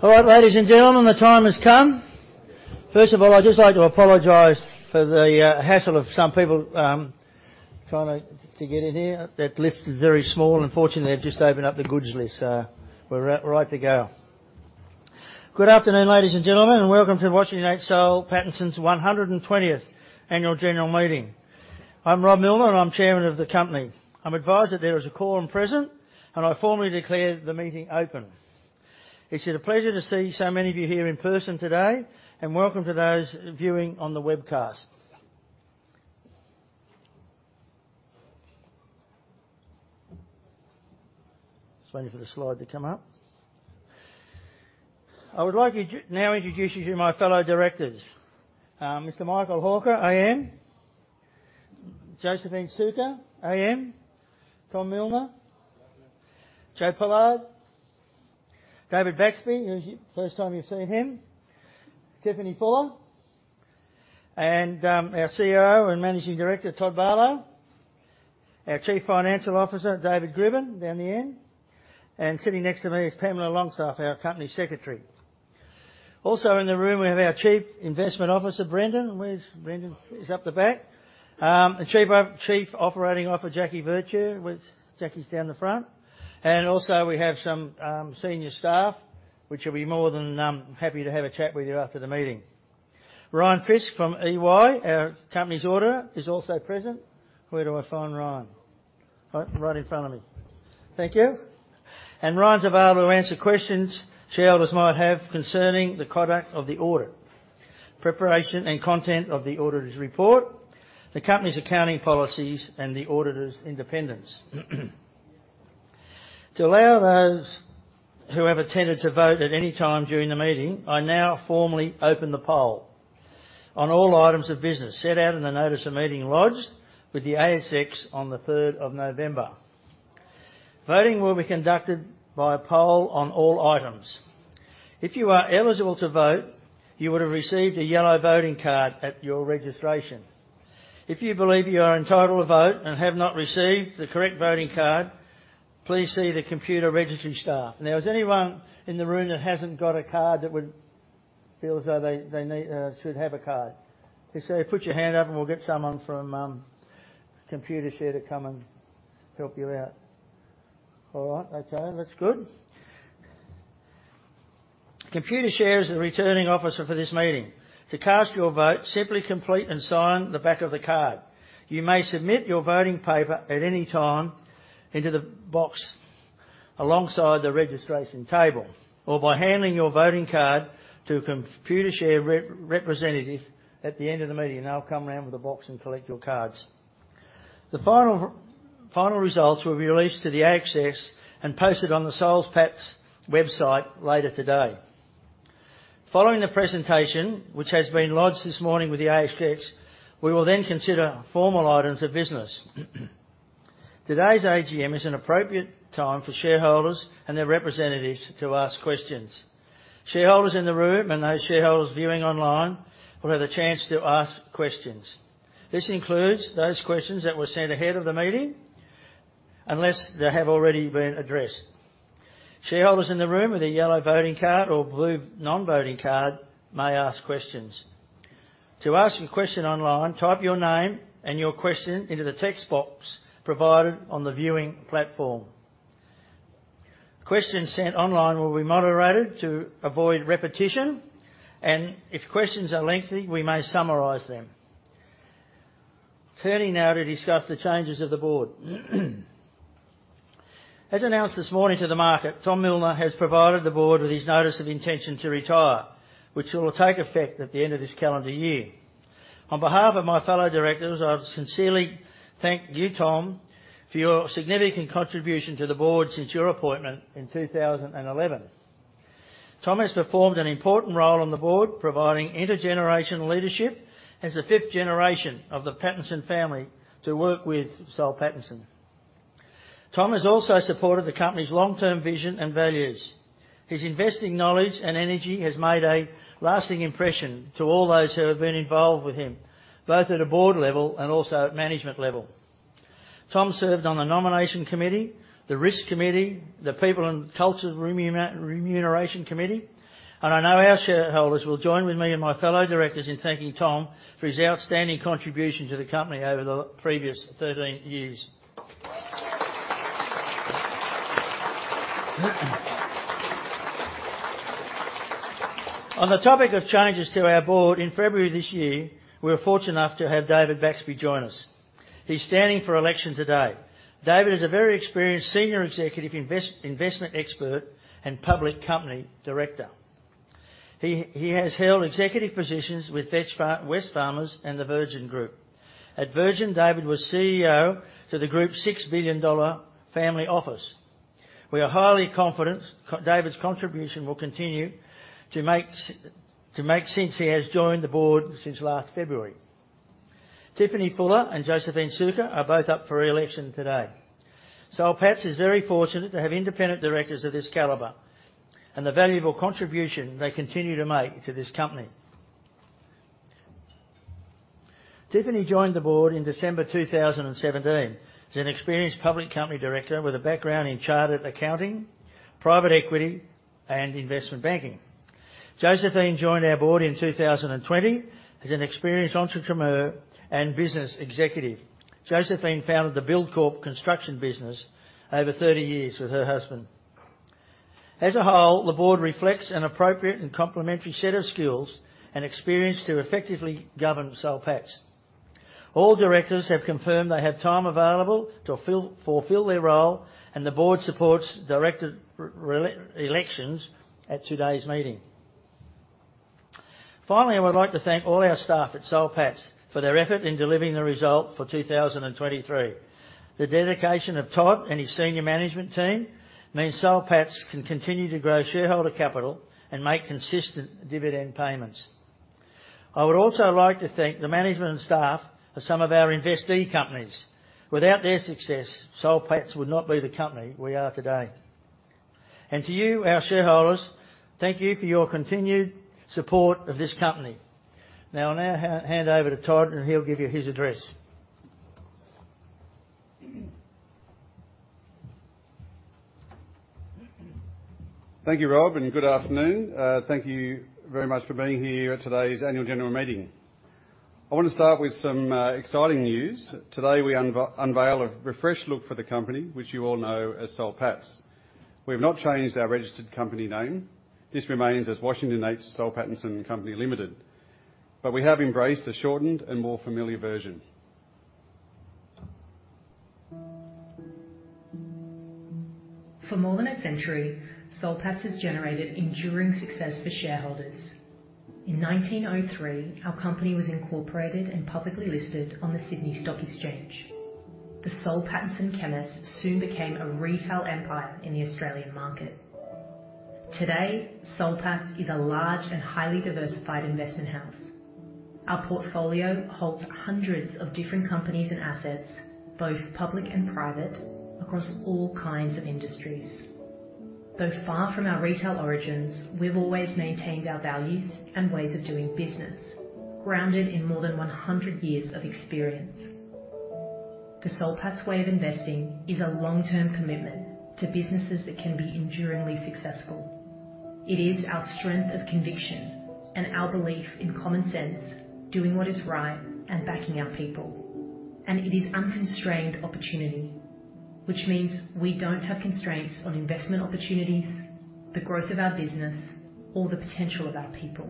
All right, ladies and gentlemen, the time has come. First of all, I'd just like to apologize for the hassle of some people trying to get in here. That lift is very small, and fortunately, they've just opened up the goods lift, so we're right to go. Good afternoon, ladies and gentlemen, and welcome to Washington H. Soul Pattinson's 120th Annual General Meeting. I'm Rob Millner, and I'm Chairman of the company. I'm advised that there is a quorum present, and I formally declare the meeting open. It's a pleasure to see so many of you here in person today, and welcome to those viewing on the webcast. Just waiting for the slide to come up. I would like to now introduce you to my fellow directors, Mr. Michael Hawker AM, Josephine Sukkar AM, Tom Millner, Joe Pollard, David Baxby, here's your... First time you've seen him, Tiffany Fuller, and our CEO and Managing Director, Todd Barlow, our Chief Financial Officer, David Gribble, down the end, and sitting next to me is Pamela Longstaff, our Company Secretary. Also in the room, we have our Chief Investment Officer, Brendan. Where's Brendan? He's up the back. The Chief Operating Officer, Jackie Virtue. Jackie's down the front. And also, we have some senior staff, which will be more than happy to have a chat with you after the meeting. Ryan Fisk from EY, our company's auditor, is also present. Where do I find Ryan? Oh, right in front of me. Thank you. Ryan's available to answer questions shareholders might have concerning the conduct of the audit, preparation and content of the auditor's report, the company's accounting policies, and the auditor's independence. To allow those who have attended to vote at any time during the meeting, I now formally open the poll on all items of business set out in the notice of meeting lodged with the ASX on the third of November. Voting will be conducted by a poll on all items. If you are eligible to vote, you would have received a yellow voting card at your registration. If you believe you are entitled to vote and have not received the correct voting card, please see the Computershare registry staff. Now, is there anyone in the room that hasn't got a card that would feel as though they, they need, should have a card? Just put your hand up, and we'll get someone from Computershare to come and help you out. All right. Okay, that's good. Computershare is the Returning Officer for this meeting. To cast your vote, simply complete and sign the back of the card. You may submit your voting paper at any time into the box alongside the registration table, or by handing your voting card to a Computershare representative at the end of the meeting. They'll come round with a box and collect your cards. The final results will be released to the ASX and posted on the Soul Patts website later today. Following the presentation, which has been lodged this morning with the ASX, we will then consider formal items of business. Today's AGM is an appropriate time for shareholders and their representatives to ask questions. Shareholders in the room and those shareholders viewing online will have the chance to ask questions. This includes those questions that were sent ahead of the meeting, unless they have already been addressed. Shareholders in the room with a yellow voting card or blue non-voting card may ask questions. To ask a question online, type your name and your question into the text box provided on the viewing platform. Questions sent online will be moderated to avoid repetition, and if questions are lengthy, we may summarize them. Turning now to discuss the changes of the board. As announced this morning to the market, Tom Millner has provided the board with his notice of intention to retire, which will take effect at the end of this calendar year. On behalf of my fellow directors, I sincerely thank you, Tom, for your significant contribution to the board since your appointment in 2011. Tom has performed an important role on the board, providing intergenerational leadership as a fifth generation of the Pattinson family to work with Soul Pattinson. Tom has also supported the company's long-term vision and values. His investing knowledge and energy has made a lasting impression to all those who have been involved with him, both at a board level and also at management level. Tom served on the Nomination Committee, the Risk Committee, the People and Culture Remuneration Committee, and I know our shareholders will join with me and my fellow directors in thanking Tom for his outstanding contribution to the company over the previous 13 years. On the topic of changes to our board, in February this year, we were fortunate enough to have David Baxby join us. He's standing for election today. David is a very experienced senior executive investment expert and public company director. He has held executive positions with Wesfarmers and the Virgin Group. At Virgin, David was CEO to the group's $6 billion family office. We are highly confident David's contribution will continue to make since he has joined the board since last February. Tiffany Fuller and Josephine Sukkar are both up for re-election today. Soul Patts is very fortunate to have independent directors of this caliber and the valuable contribution they continue to make to this company. Tiffany joined the board in December 2017. She's an experienced public company director with a background in chartered accounting, private equity, and investment banking. Josephine joined our board in 2020 as an experienced entrepreneur and business executive. Josephine founded the Buildcorp Construction business over 30 years with her husband. As a whole, the board reflects an appropriate and complementary set of skills and experience to effectively govern Soul Patts. All directors have confirmed they have time available to fulfill their role, and the board supports directors' re-elections at today's meeting. Finally, I would like to thank all our staff at Soul Patts for their effort in delivering the result for 2023. The dedication of Todd and his senior management team means Soul Patts can continue to grow shareholder capital and make consistent dividend payments. I would also like to thank the management and staff of some of our investee companies. Without their success, Soul Patts would not be the company we are today. And to you, our shareholders, thank you for your continued support of this company. Now, I'll now hand over to Todd, and he'll give you his address. Thank you, Rob, and good afternoon. Thank you very much for being here at today's annual general meeting. I want to start with some exciting news. Today, we unveil a refreshed look for the company, which you all know as Soul Patts. We've not changed our registered company name. This remains as Washington H. Soul Pattinson and Company Limited, but we have embraced a shortened and more familiar version. For more than a century, Soul Patts has generated enduring success for shareholders. In 1903, our company was incorporated and publicly listed on the Sydney Stock Exchange. The Soul Pattinson Chemists soon became a retail empire in the Australian market. Today, Soul Patts is a large and highly diversified investment house. Our portfolio holds hundreds of different companies and assets, both public and private, across all kinds of industries. Though far from our retail origins, we've always maintained our values and ways of doing business, grounded in more than 100 years of experience. The Soul Patts way of investing is a long-term commitment to businesses that can be enduringly successful. It is our strength of conviction and our belief in common sense, doing what is right, and backing our people. It is unconstrained opportunity, which means we don't have constraints on investment opportunities, the growth of our business, or the potential of our people.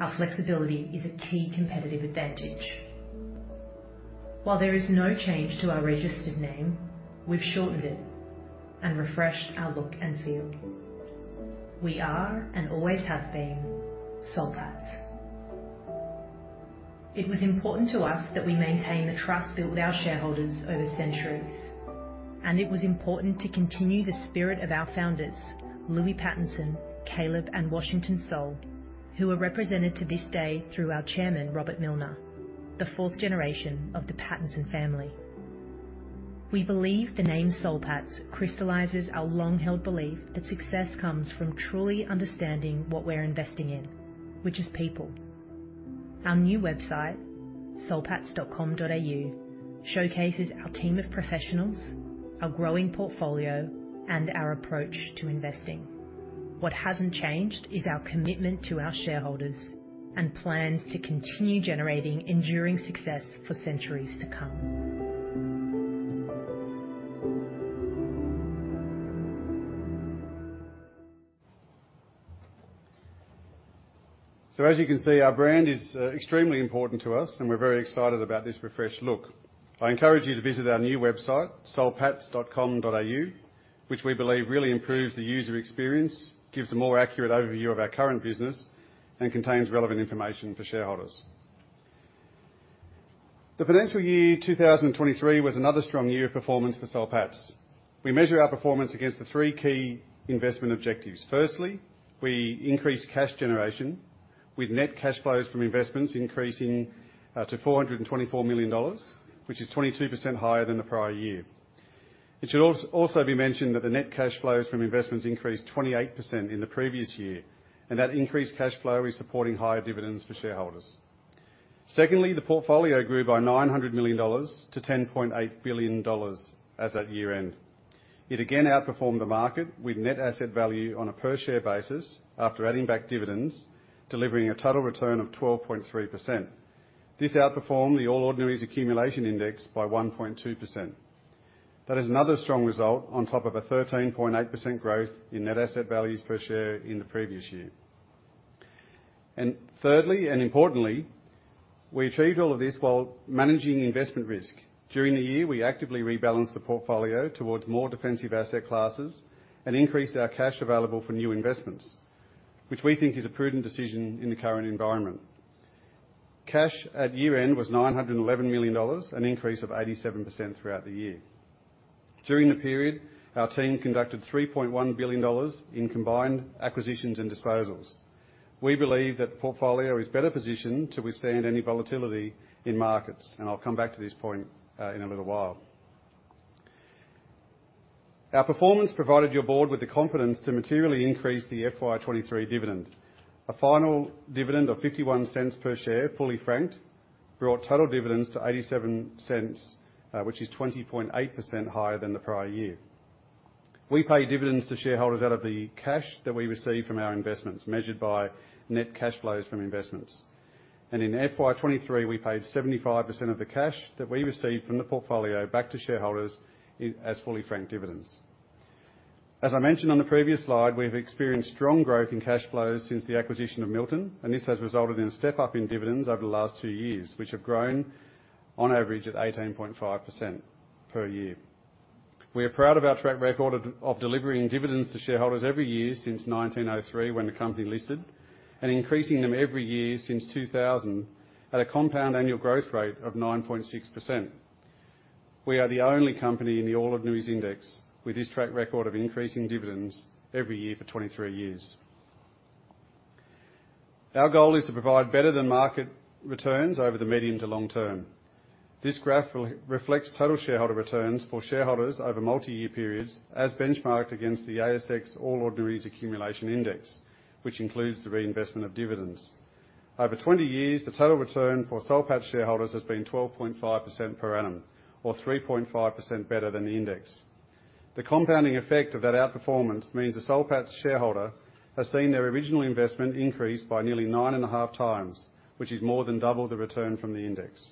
Our flexibility is a key competitive advantage. While there is no change to our registered name, we've shortened it and refreshed our look and feel. We are, and always have been, Soul Patts. It was important to us that we maintain the trust built with our shareholders over centuries, and it was important to continue the spirit of our founders, Lewy Pattinson, Caleb, and Washington Soul, who are represented to this day through our Chairman, Robert Millner, the fourth generation of the Pattinson family. We believe the name Soul Patts crystallizes our long-held belief that success comes from truly understanding what we're investing in, which is people. Our new website, soulpatts.com.au, showcases our team of professionals, our growing portfolio, and our approach to investing. What hasn't changed is our commitment to our shareholders and plans to continue generating enduring success for centuries to come. So as you can see, our brand is extremely important to us, and we're very excited about this refreshed look. I encourage you to visit our new website, soulpatts.com.au, which we believe really improves the user experience, gives a more accurate overview of our current business, and contains relevant information for shareholders. The financial year 2023 was another strong year of performance for Soul Patts. We measure our performance against the three key investment objectives. Firstly, we increased cash generation, with net cash flows from investments increasing to 424 million dollars, which is 22% higher than the prior year. It should also be mentioned that the net cash flows from investments increased 28% in the previous year, and that increased cash flow is supporting higher dividends for shareholders. Secondly, the portfolio grew by 900 million dollars to 10.8 billion dollars as at year-end. It again outperformed the market with net asset value on a per share basis after adding back dividends, delivering a total return of 12.3%. This outperformed the All Ordinaries Accumulation Index by 1.2%. That is another strong result on top of a 13.8% growth in net asset values per share in the previous year. And thirdly, and importantly, we achieved all of this while managing investment risk. During the year, we actively rebalanced the portfolio towards more defensive asset classes and increased our cash available for new investments, which we think is a prudent decision in the current environment. Cash at year-end was 911 million dollars, an increase of 87% throughout the year.... During the period, our team conducted 3.1 billion dollars in combined acquisitions and disposals. We believe that the portfolio is better positioned to withstand any volatility in markets, and I'll come back to this point in a little while. Our performance provided your board with the confidence to materially increase the FY 2023 dividend. A final dividend of 0.51 per share, fully franked, brought total dividends to 0.87, which is 20.8% higher than the prior year. We pay dividends to shareholders out of the cash that we receive from our investments, measured by Net Cash Flows from Investments. In FY 2023, we paid 75% of the cash that we received from the portfolio back to shareholders as fully franked dividends. As I mentioned on the previous slide, we've experienced strong growth in cash flows since the acquisition of Milton, and this has resulted in a step up in dividends over the last two years, which have grown on average at 18.5% per year. We are proud of our track record of delivering dividends to shareholders every year since 1903, when the company listed, and increasing them every year since 2000 at a compound annual growth rate of 9.6%. We are the only company in the All Ordinaries Index with this track record of increasing dividends every year for 23 years. Our goal is to provide better-than-market returns over the medium to long term. This graph reflects total shareholder returns for shareholders over multiyear periods, as benchmarked against the ASX All Ordinaries Accumulation Index, which includes the reinvestment of dividends. Over 20 years, the total return for Soul Patts shareholders has been 12.5% per annum, or 3.5% better than the index. The compounding effect of that outperformance means the Soul Patts shareholder has seen their original investment increase by nearly 9.5 times, which is more than double the return from the index.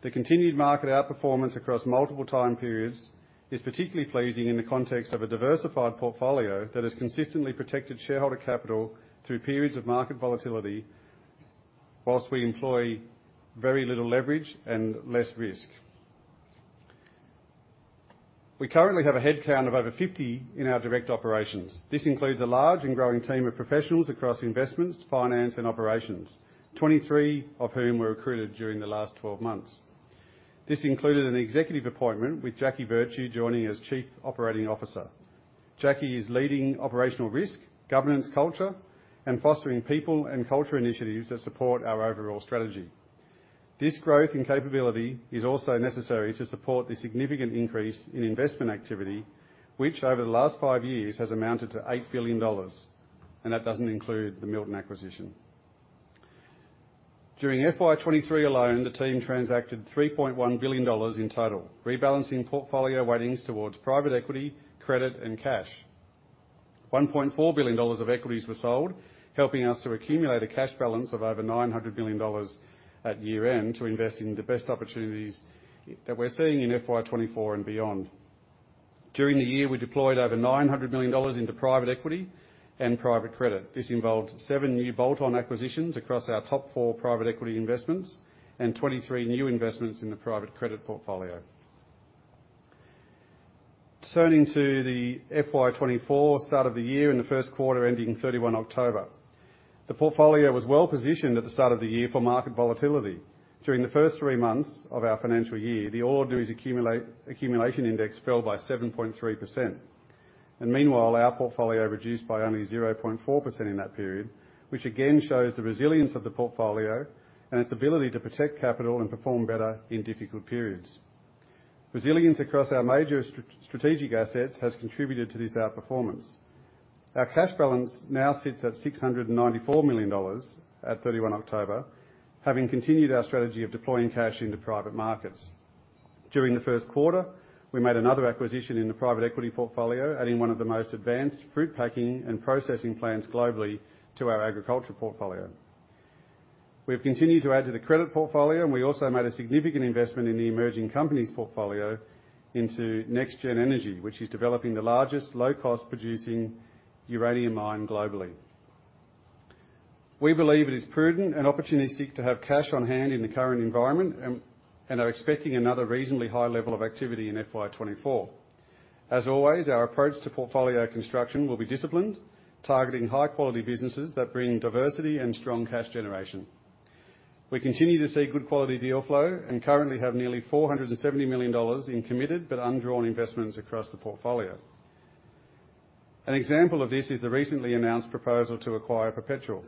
The continued market outperformance across multiple time periods is particularly pleasing in the context of a diversified portfolio that has consistently protected shareholder capital through periods of market volatility, while we employ very little leverage and less risk. We currently have a headcount of over 50 in our direct operations. This includes a large and growing team of professionals across investments, finance, and operations, 23 of whom were recruited during the last 12 months. This included an executive appointment, with Jackie Virtue joining as Chief Operating Officer. Jackie is leading operational risk, governance culture, and fostering people and culture initiatives that support our overall strategy. This growth and capability is also necessary to support the significant increase in investment activity, which over the last 5 years has amounted to 8 billion dollars, and that doesn't include the Milton acquisition. During FY 2023 alone, the team transacted AUD 3.1 billion in total, rebalancing portfolio weightings towards private equity, credit, and cash. 1.4 billion dollars of equities were sold, helping us to accumulate a cash balance of over 900 billion dollars at year-end to invest in the best opportunities that we're seeing in FY 2024 and beyond. During the year, we deployed over 900 million dollars into private equity and private credit. This involved 7 new bolt-on acquisitions across our top 4 private equity investments, and 23 new investments in the private credit portfolio. Turning to the FY 2024 start of the year, in the first quarter, ending 31 October. The portfolio was well positioned at the start of the year for market volatility. During the first three months of our financial year, the All Ordinaries Accumulation Index fell by 7.3%. Meanwhile, our portfolio reduced by only 0.4% in that period, which again shows the resilience of the portfolio and its ability to protect capital and perform better in difficult periods. Resilience across our major strategic assets has contributed to this outperformance. Our cash balance now sits at 694 million dollars at 31 October, having continued our strategy of deploying cash into private markets. During the first quarter, we made another acquisition in the private equity portfolio, adding one of the most advanced fruit packing and processing plants globally to our agriculture portfolio. We've continued to add to the credit portfolio, and we also made a significant investment in the emerging companies portfolio into NexGen Energy, which is developing the largest low-cost producing uranium mine globally. We believe it is prudent and opportunistic to have cash on hand in the current environment and are expecting another reasonably high level of activity in FY 2024. As always, our approach to portfolio construction will be disciplined, targeting high-quality businesses that bring diversity and strong cash generation. We continue to see good quality deal flow and currently have nearly 470 million dollars in committed but undrawn investments across the portfolio. An example of this is the recently announced proposal to acquire Perpetual.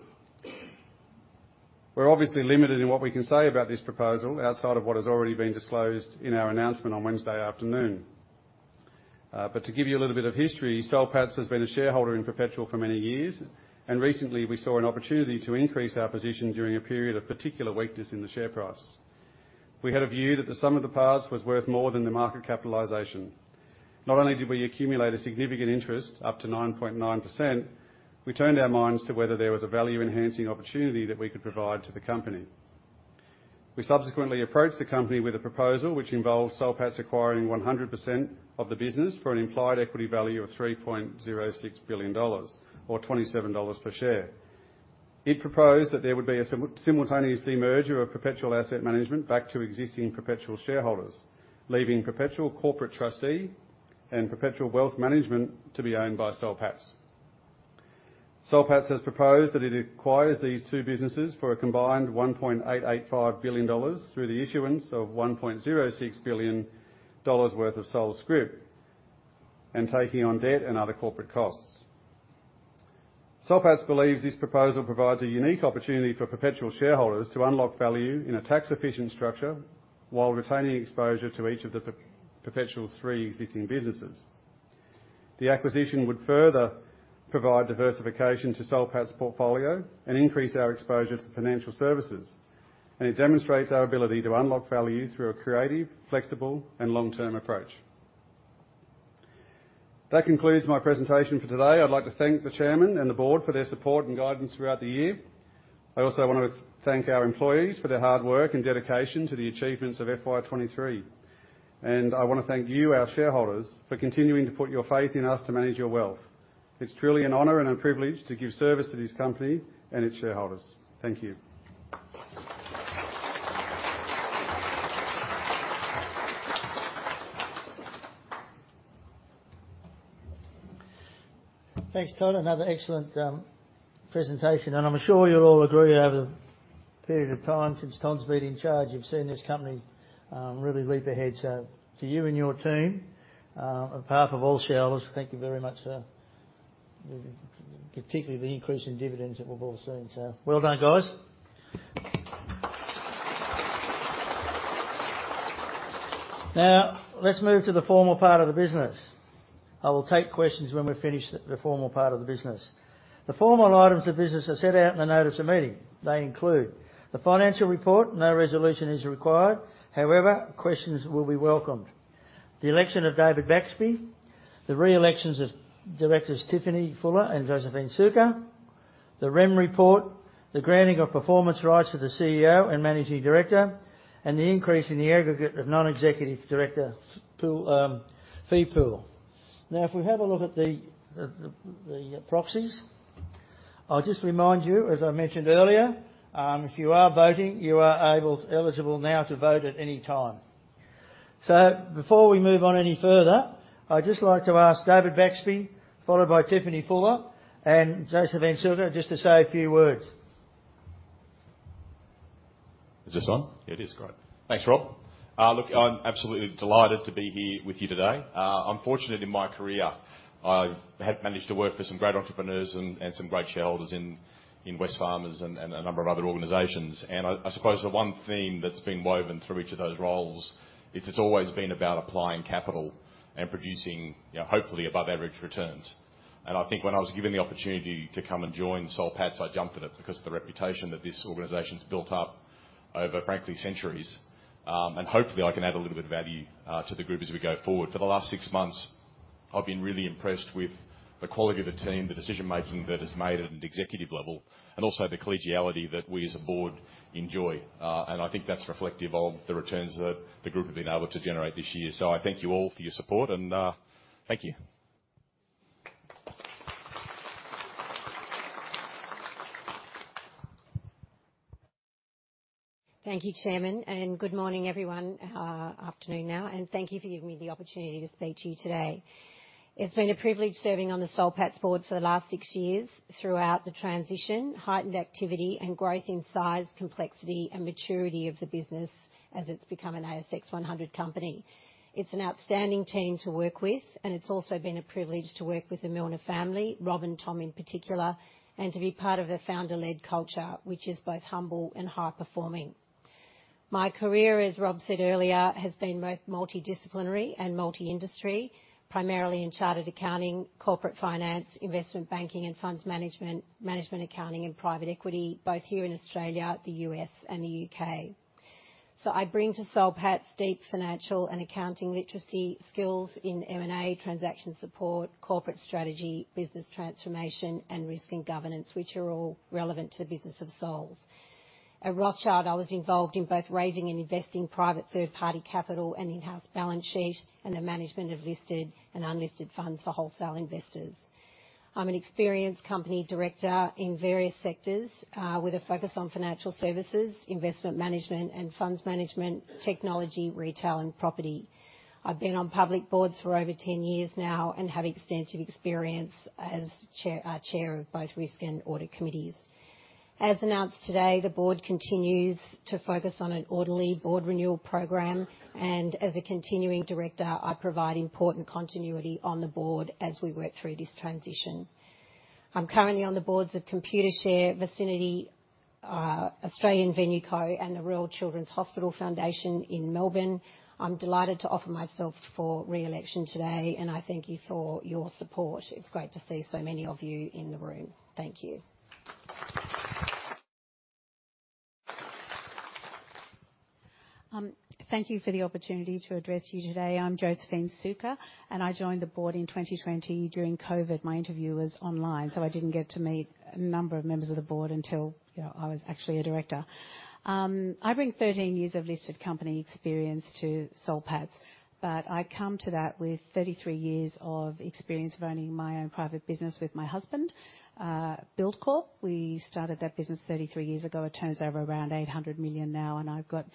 We're obviously limited in what we can say about this proposal outside of what has already been disclosed in our announcement on Wednesday afternoon. But to give you a little bit of history, Soul Patts has been a shareholder in Perpetual for many years, and recently, we saw an opportunity to increase our position during a period of particular weakness in the share price. We had a view that the sum of the parts was worth more than the market capitalization. Not only did we accumulate a significant interest, up to 9.9%, we turned our minds to whether there was a value-enhancing opportunity that we could provide to the company. We subsequently approached the company with a proposal which involves Soul Patts acquiring 100% of the business for an implied equity value of AUD 3.06 billion, or AUD 27 per share. It proposed that there would be a simultaneous demerger of Perpetual Asset Management back to existing Perpetual shareholders, leaving Perpetual Corporate Trustee and Perpetual Wealth Management to be owned by Soul Patts. Soul Patts has proposed that it acquires these two businesses for a combined AUD 1.885 billion through the issuance of AUD 1.06 billion worth of Soul Patts' scrip, and taking on debt and other corporate costs. Soul Patts believes this proposal provides a unique opportunity for Perpetual shareholders to unlock value in a tax-efficient structure while retaining exposure to each of the Perpetual's three existing businesses. The acquisition would further provide diversification to Soul Patts' portfolio and increase our exposure to financial services, and it demonstrates our ability to unlock value through a creative, flexible, and long-term approach. That concludes my presentation for today. I'd like to thank the chairman and the board for their support and guidance throughout the year. I also want to thank our employees for their hard work and dedication to the achievements of FY 23. I want to thank you, our shareholders, for continuing to put your faith in us to manage your wealth. It's truly an honor and a privilege to give service to this company and its shareholders. Thank you. Thanks, Todd. Another excellent presentation, and I'm sure you'll all agree over the period of time since Todd's been in charge, you've seen this company really leap ahead. So to you and your team, on behalf of all shareholders, thank you very much, sir. Particularly the increase in dividends that we've all seen. So well done, guys. Now, let's move to the formal part of the business. I will take questions when we finish the formal part of the business. The formal items of business are set out in the notice of meeting. They include: the financial report, no resolution is required. However, questions will be welcomed. The election of David Baxby, the reelections of directors Tiffany Fuller and Josephine Sukkar, the Rem report, the granting of performance rights to the CEO and Managing Director, and the increase in the aggregate of non-executive directors pool, fee pool. Now, if we have a look at the proxies, I'll just remind you, as I mentioned earlier, if you are voting, you are able, eligible now to vote at any time. So before we move on any further, I'd just like to ask David Baxby, followed by Tiffany Fuller and Josephine Sukkar, just to say a few words. Is this on? It is. Great. Thanks, Rob. Look, I'm absolutely delighted to be here with you today. I'm fortunate in my career, I have managed to work with some great entrepreneurs and, and some great shareholders in, in Wesfarmers and, and a number of other organizations. And I, I suppose the one theme that's been woven through each of those roles is it's always been about applying capital and producing, you know, hopefully above average returns. And I think when I was given the opportunity to come and join Soul Patts, I jumped at it because of the reputation that this organization's built up over, frankly, centuries. Hopefully, I can add a little bit of value to the group as we go forward. For the last six months, I've been really impressed with the quality of the team, the decision-making that is made at an executive level, and also the collegiality that we as a board enjoy. And I think that's reflective of the returns that the group have been able to generate this year. So I thank you all for your support, and thank you. Thank you, Chairman, and good morning, everyone, afternoon now, and thank you for giving me the opportunity to speak to you today. It's been a privilege serving on the Soul Patts board for the last six years throughout the transition, heightened activity, and growth in size, complexity, and maturity of the business as it's become an ASX 100 company. It's an outstanding team to work with, and it's also been a privilege to work with the Millner family, Rob and Tom in particular, and to be part of a founder-led culture, which is both humble and high-performing. My career, as Rob said earlier, has been both multidisciplinary and multi-industry, primarily in chartered accounting, corporate finance, investment banking and funds management, management accounting and private equity, both here in Australia, the U.S., and the U.K. So I bring to Soul Patts deep financial and accounting literacy skills in M&A, transaction support, corporate strategy, business transformation, and risk and governance, which are all relevant to the business of Soul Patts. At Rothschild, I was involved in both raising and investing private third-party capital and in-house balance sheet and the management of listed and unlisted funds for wholesale investors. I'm an experienced company director in various sectors, with a focus on financial services, investment management and funds management, technology, retail, and property. I've been on public boards for over 10 years now and have extensive experience as chair of both risk and audit committees. As announced today, the board continues to focus on an orderly board renewal program, and as a continuing director, I provide important continuity on the board as we work through this transition. I'm currently on the boards of Computershare, Vicinity, Australian Venue Co, and the Royal Children's Hospital Foundation in Melbourne. I'm delighted to offer myself for re-election today, and I thank you for your support. It's great to see so many of you in the room. Thank you. Thank you for the opportunity to address you today. I'm Josephine Sukkar, and I joined the board in 2020 during COVID. My interview was online, so I didn't get to meet a number of members of the board until, you know, I was actually a director. I bring 13 years of listed company experience to Soul Patts, but I come to that with 33 years of experience of owning my own private business with my husband, Buildcorp. We started that business 33 years ago. It turns over around 800 million now, and I've got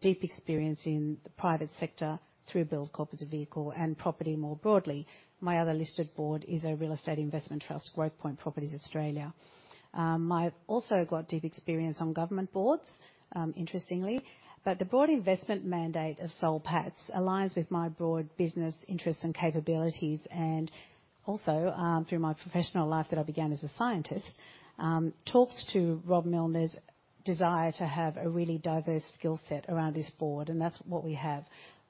deep experience in the private sector through Buildcorp as a vehicle and property more broadly. My other listed board is a real estate investment trust, Growthpoint Properties Australia. I've also got deep experience on government boards, interestingly, but the broad investment mandate of Soul Patts aligns with my broad business interests and capabilities, and also, through my professional life that I began as a scientist, talks to Rob Millner's desire to have a really diverse skill set around this board, and that's what we have.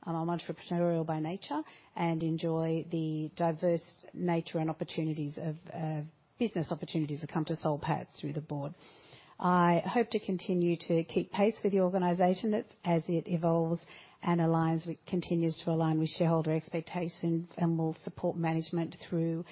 I'm entrepreneurial by nature and enjoy the diverse nature and opportunities of business opportunities that come to Soul Patts through the board. I hope to continue to keep pace with the organization that's, as it evolves and aligns with continues to align with shareholder expectations, and will support management through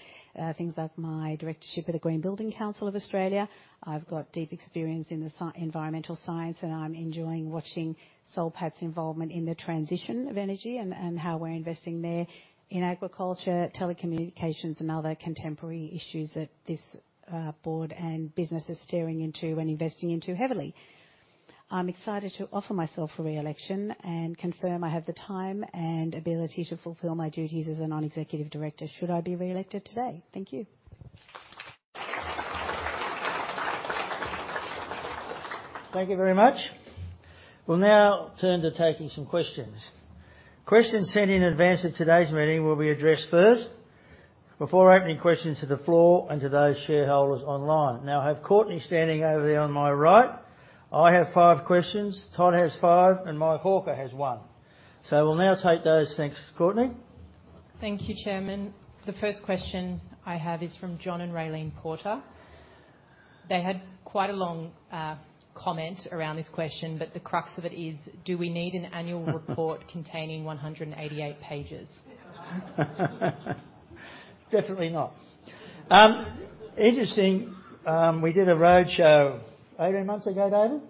things like my directorship at the Green Building Council of Australia. I've got deep experience in the environmental science, and I'm enjoying watching Soul Patts' involvement in the transition of energy and, and how we're investing there in agriculture, telecommunications, and other contemporary issues that this board and business is steering into and investing into heavily. I'm excited to offer myself for re-election and confirm I have the time and ability to fulfill my duties as a non-executive director, should I be re-elected today. Thank you. Thank you very much. We'll now turn to taking some questions. Questions sent in advance of today's meeting will be addressed first, before opening questions to the floor and to those shareholders online. Now, I have Courtney standing over there on my right. I have five questions, Todd has five, and Mike Hawker has one. So we'll now take those. Thanks. Courtney? Thank you, Chairman. The first question I have is from John and Raylene Porter. They had quite a long comment around this question, but the crux of it is: Do we need an annual report containing 188 pages? Definitely not. Interesting, we did a roadshow 18 months ago, David?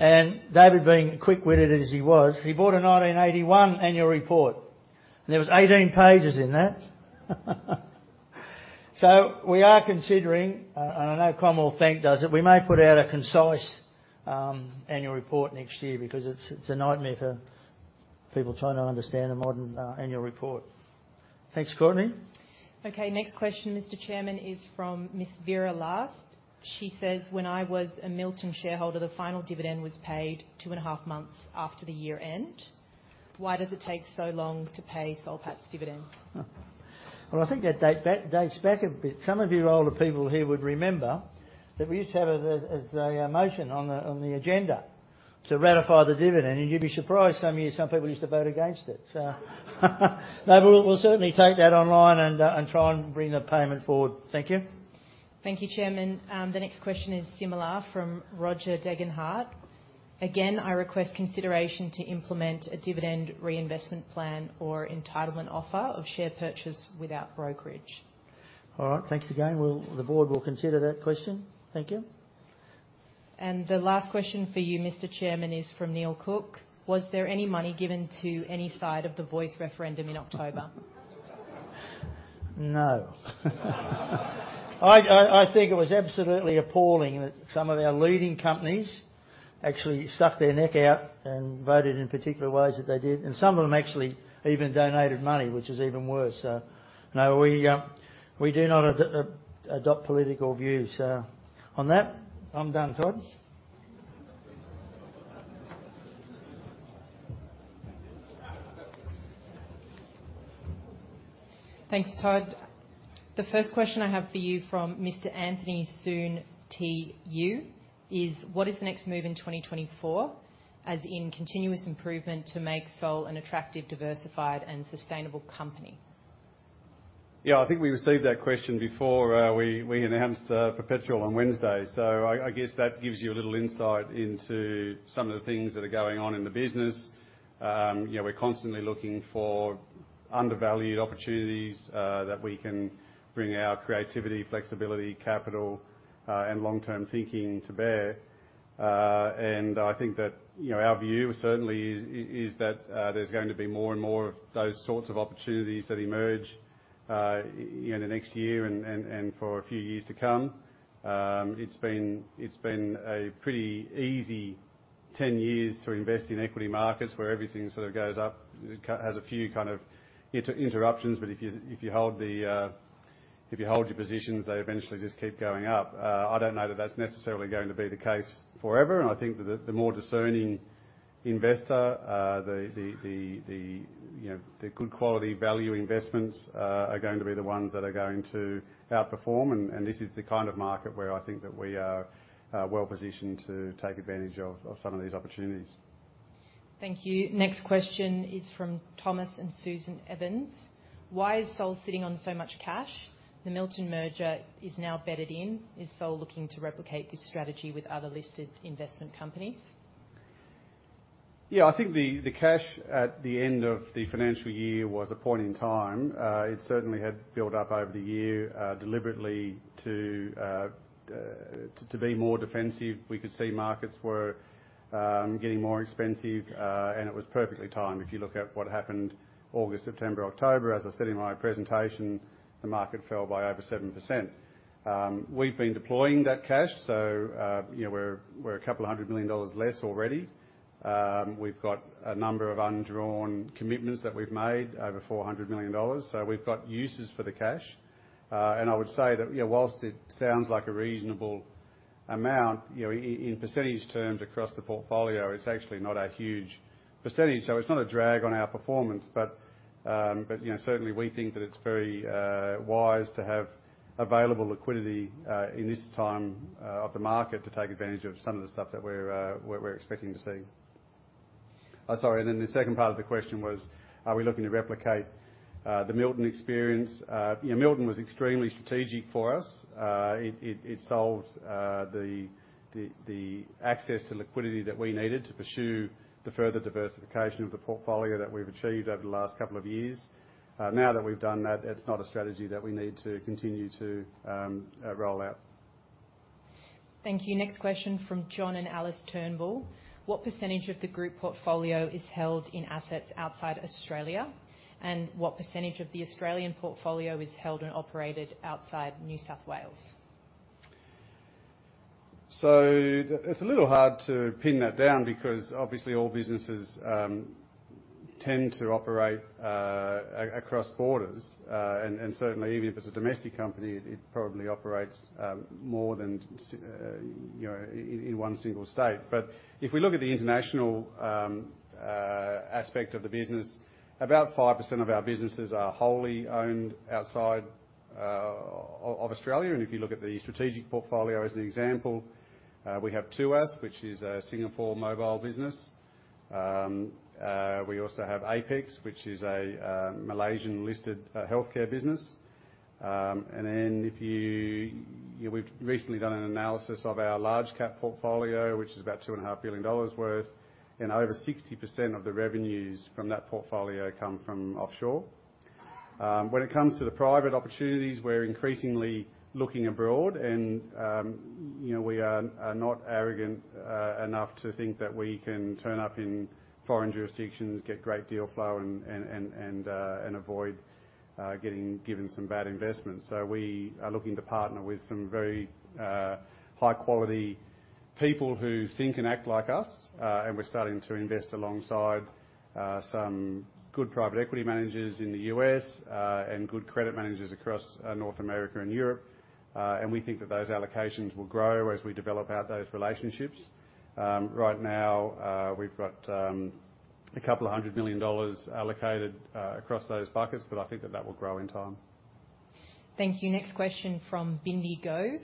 And David, being quick-witted as he was, he brought a 1981 annual report, and there was 18 pages in that. So we are considering, and I know Commonwealth Bank does it, we may put out a concise annual report next year because it's, it's a nightmare for people trying to understand a modern annual report. Thanks, Courtney. Okay, next question, Mr. Chairman, is from Ms. Vera Last. She says, "When I was a Milton shareholder, the final dividend was paid two and a half months after the year end. Why does it take so long to pay Soul Patts' dividends? Well, I think that dates back a bit. Some of you older people here would remember that we used to have it as a motion on the agenda to ratify the dividend. And you'd be surprised, some years, some people used to vote against it. So, no, we'll certainly take that online and try and bring the payment forward. Thank you. Thank you, Chairman. The next question is similar from Roger Degenhardt: Again, I request consideration to implement a dividend reinvestment plan or entitlement offer of share purchase without brokerage. All right. Thanks again. The board will consider that question. Thank you. The last question for you, Mr. Chairman, is from Neil Cook: Was there any money given to any side of the Voice referendum in October? No. I think it was absolutely appalling that some of our leading companies actually stuck their neck out and voted in particular ways that they did, and some of them actually even donated money, which is even worse. So, no, we do not adopt political views. So on that, I'm done. Todd? Thank you, Todd. The first question I have for you from Mr. Anthony Soon Ti Yu is: What is the next move in 2024, as in continuous improvement to make Soul an attractive, diversified, and sustainable company? Yeah, I think we received that question before we announced Perpetual on Wednesday. So I guess that gives you a little insight into some of the things that are going on in the business. You know, we're constantly looking for undervalued opportunities that we can bring our creativity, flexibility, capital, and long-term thinking to bear. And I think that, you know, our view certainly is that there's going to be more and more of those sorts of opportunities that emerge in the next year and for a few years to come. It's been a pretty easy 10 years to invest in equity markets where everything sort of goes up. It has a few kind of interruptions, but if you hold your positions, they eventually just keep going up. I don't know that that's necessarily going to be the case forever, and I think that the more discerning investor, you know, the good quality value investments, are going to be the ones that are going to outperform. And this is the kind of market where I think that we are well positioned to take advantage of some of these opportunities. Thank you. Next question is from Thomas and Susan Evans: Why is Soul sitting on so much cash? The Milton merger is now bedded in. Is Soul looking to replicate this strategy with other listed investment companies? Yeah, I think the cash at the end of the financial year was a point in time. It certainly had built up over the year, deliberately to be more defensive. We could see markets were getting more expensive, and it was perfectly timed. If you look at what happened August, September, October, as I said in my presentation, the market fell by over 7%. We've been deploying that cash, so, you know, we're 200 million dollars less already. We've got a number of undrawn commitments that we've made, over 400 million dollars, so we've got uses for the cash. And I would say that, you know, while it sounds like a reasonable amount, you know, in percentage terms across the portfolio, it's actually not a huge percentage. So it's not a drag on our performance, but, but, you know, certainly we think that it's very, wise to have available liquidity, in this time, of the market to take advantage of some of the stuff that we're expecting to see.... Oh, sorry. And then the second part of the question was, are we looking to replicate, the Milton experience? Yeah, Milton was extremely strategic for us. It solves, the access to liquidity that we needed to pursue the further diversification of the portfolio that we've achieved over the last couple of years. Now that we've done that, it's not a strategy that we need to continue to, roll out. Thank you. Next question from John and Alice Turnbull: "What percentage of the group portfolio is held in assets outside Australia? And what percentage of the Australian portfolio is held and operated outside New South Wales? So it's a little hard to pin that down because, obviously, all businesses tend to operate across borders. And certainly, even if it's a domestic company, it probably operates more than, you know, in one single state. But if we look at the international aspect of the business, about 5% of our businesses are wholly owned outside of Australia. And if you look at the strategic portfolio as an example, we have Tuas, which is a Singapore mobile business. We also have Apex, which is a Malaysian-listed healthcare business. And then if you... We've recently done an analysis of our large cap portfolio, which is about 2.5 billion dollars worth, and over 60% of the revenues from that portfolio come from offshore. When it comes to the private opportunities, we're increasingly looking abroad, and, you know, we are not arrogant enough to think that we can turn up in foreign jurisdictions, get great deal flow, and avoid getting given some bad investments. So we are looking to partner with some very high quality people who think and act like us, and we're starting to invest alongside some good private equity managers in the U.S., and good credit managers across North America and Europe. We think that those allocations will grow as we develop out those relationships. Right now, we've got $200 million allocated across those buckets, but I think that will grow in time. Thank you. Next question from Bindy Gove: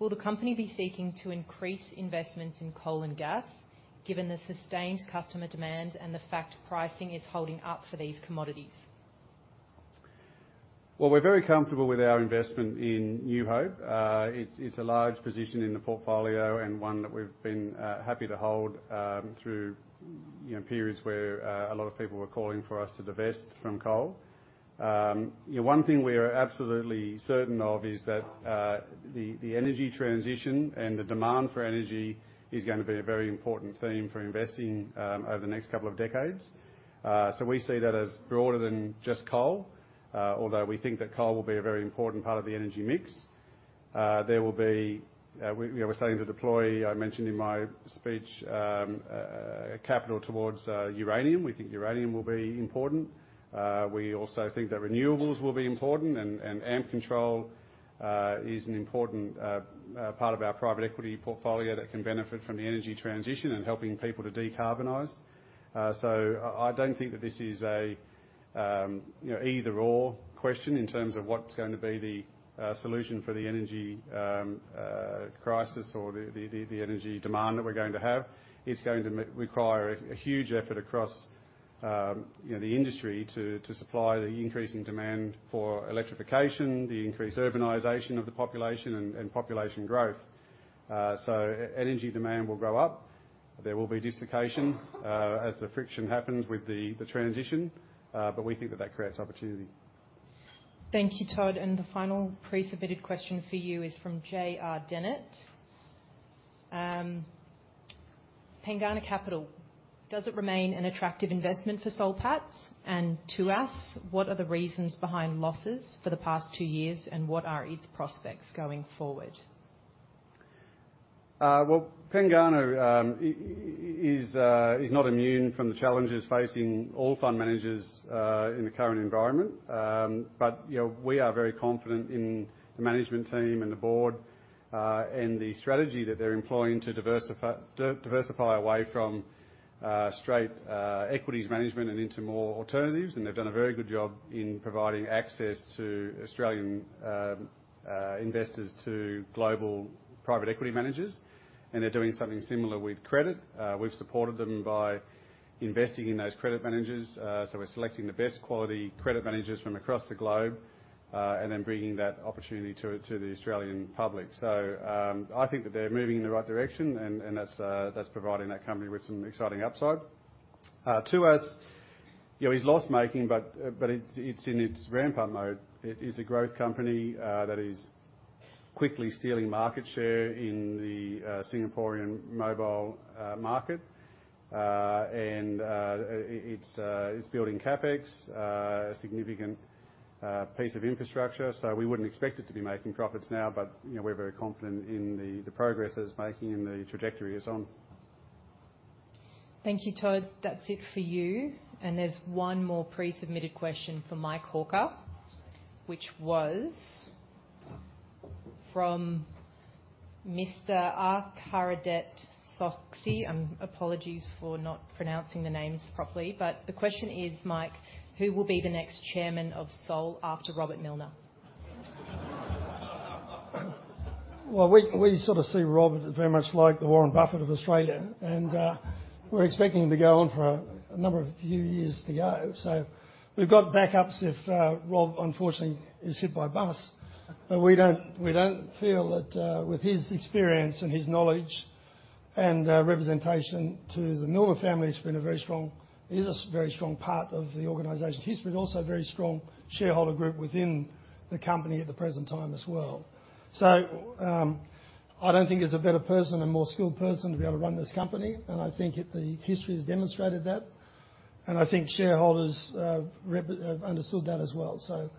"Will the company be seeking to increase investments in coal and gas, given the sustained customer demand and the fact pricing is holding up for these commodities? Well, we're very comfortable with our investment in New Hope. It's a large position in the portfolio and one that we've been happy to hold through, you know, periods where a lot of people were calling for us to divest from coal. You know, one thing we are absolutely certain of is that the energy transition and the demand for energy is gonna be a very important theme for investing over the next couple of decades. So we see that as broader than just coal, although we think that coal will be a very important part of the energy mix. There will be, we are starting to deploy, I mentioned in my speech, capital towards uranium. We think uranium will be important. We also think that renewables will be important, and Ampcontrol is an important part of our private equity portfolio that can benefit from the energy transition and helping people to decarbonize. So I don't think that this is a you know, either/or question in terms of what's going to be the solution for the energy crisis or the energy demand that we're going to have. It's going to require a huge effort across you know, the industry to supply the increasing demand for electrification, the increased urbanization of the population, and population growth. So energy demand will go up. There will be dislocation as the friction happens with the transition, but we think that that creates opportunity. Thank you, Todd. And the final pre-submitted question for you is from J.R. Dennett. "Pengana Capital, does it remain an attractive investment for Soul Patts and Tuas? What are the reasons behind losses for the past two years, and what are its prospects going forward? Well, Pengana is not immune from the challenges facing all fund managers in the current environment. But, you know, we are very confident in the management team and the board and the strategy that they're employing to diversify away from straight equities management and into more alternatives. And they've done a very good job in providing access to Australian investors to global private equity managers, and they're doing something similar with credit. We've supported them by investing in those credit managers. So we're selecting the best quality credit managers from across the globe and then bringing that opportunity to the Australian public. So, I think that they're moving in the right direction, and that's providing that company with some exciting upside. Tuas, you know, is loss-making, but it's in its ramp-up mode. It is a growth company that is quickly stealing market share in the Singaporean mobile market. And it's building CapEx, a significant piece of infrastructure, so we wouldn't expect it to be making profits now, but you know, we're very confident in the progress it's making and the trajectory it's on. Thank you, Todd. That's it for you. And there's one more pre-submitted question for Mike Hawker, which was from Mr. R. Haradet Soxi. Apologies for not pronouncing the names properly, but the question is, Mike: "Who will be the next chairman of Soul after Robert Millner?... Well, we sort of see Rob very much like the Warren Buffett of Australia, and we're expecting him to go on for a number of few years to go. So we've got backups if Rob, unfortunately, is hit by a bus. But we don't feel that with his experience and his knowledge and representation to the Millner family, he's been a very strong. He is a very strong part of the organization. He's been also a very strong shareholder group within the company at the present time as well. So I don't think there's a better person and more skilled person to be able to run this company, and I think the history has demonstrated that, and I think shareholders have understood that as well. So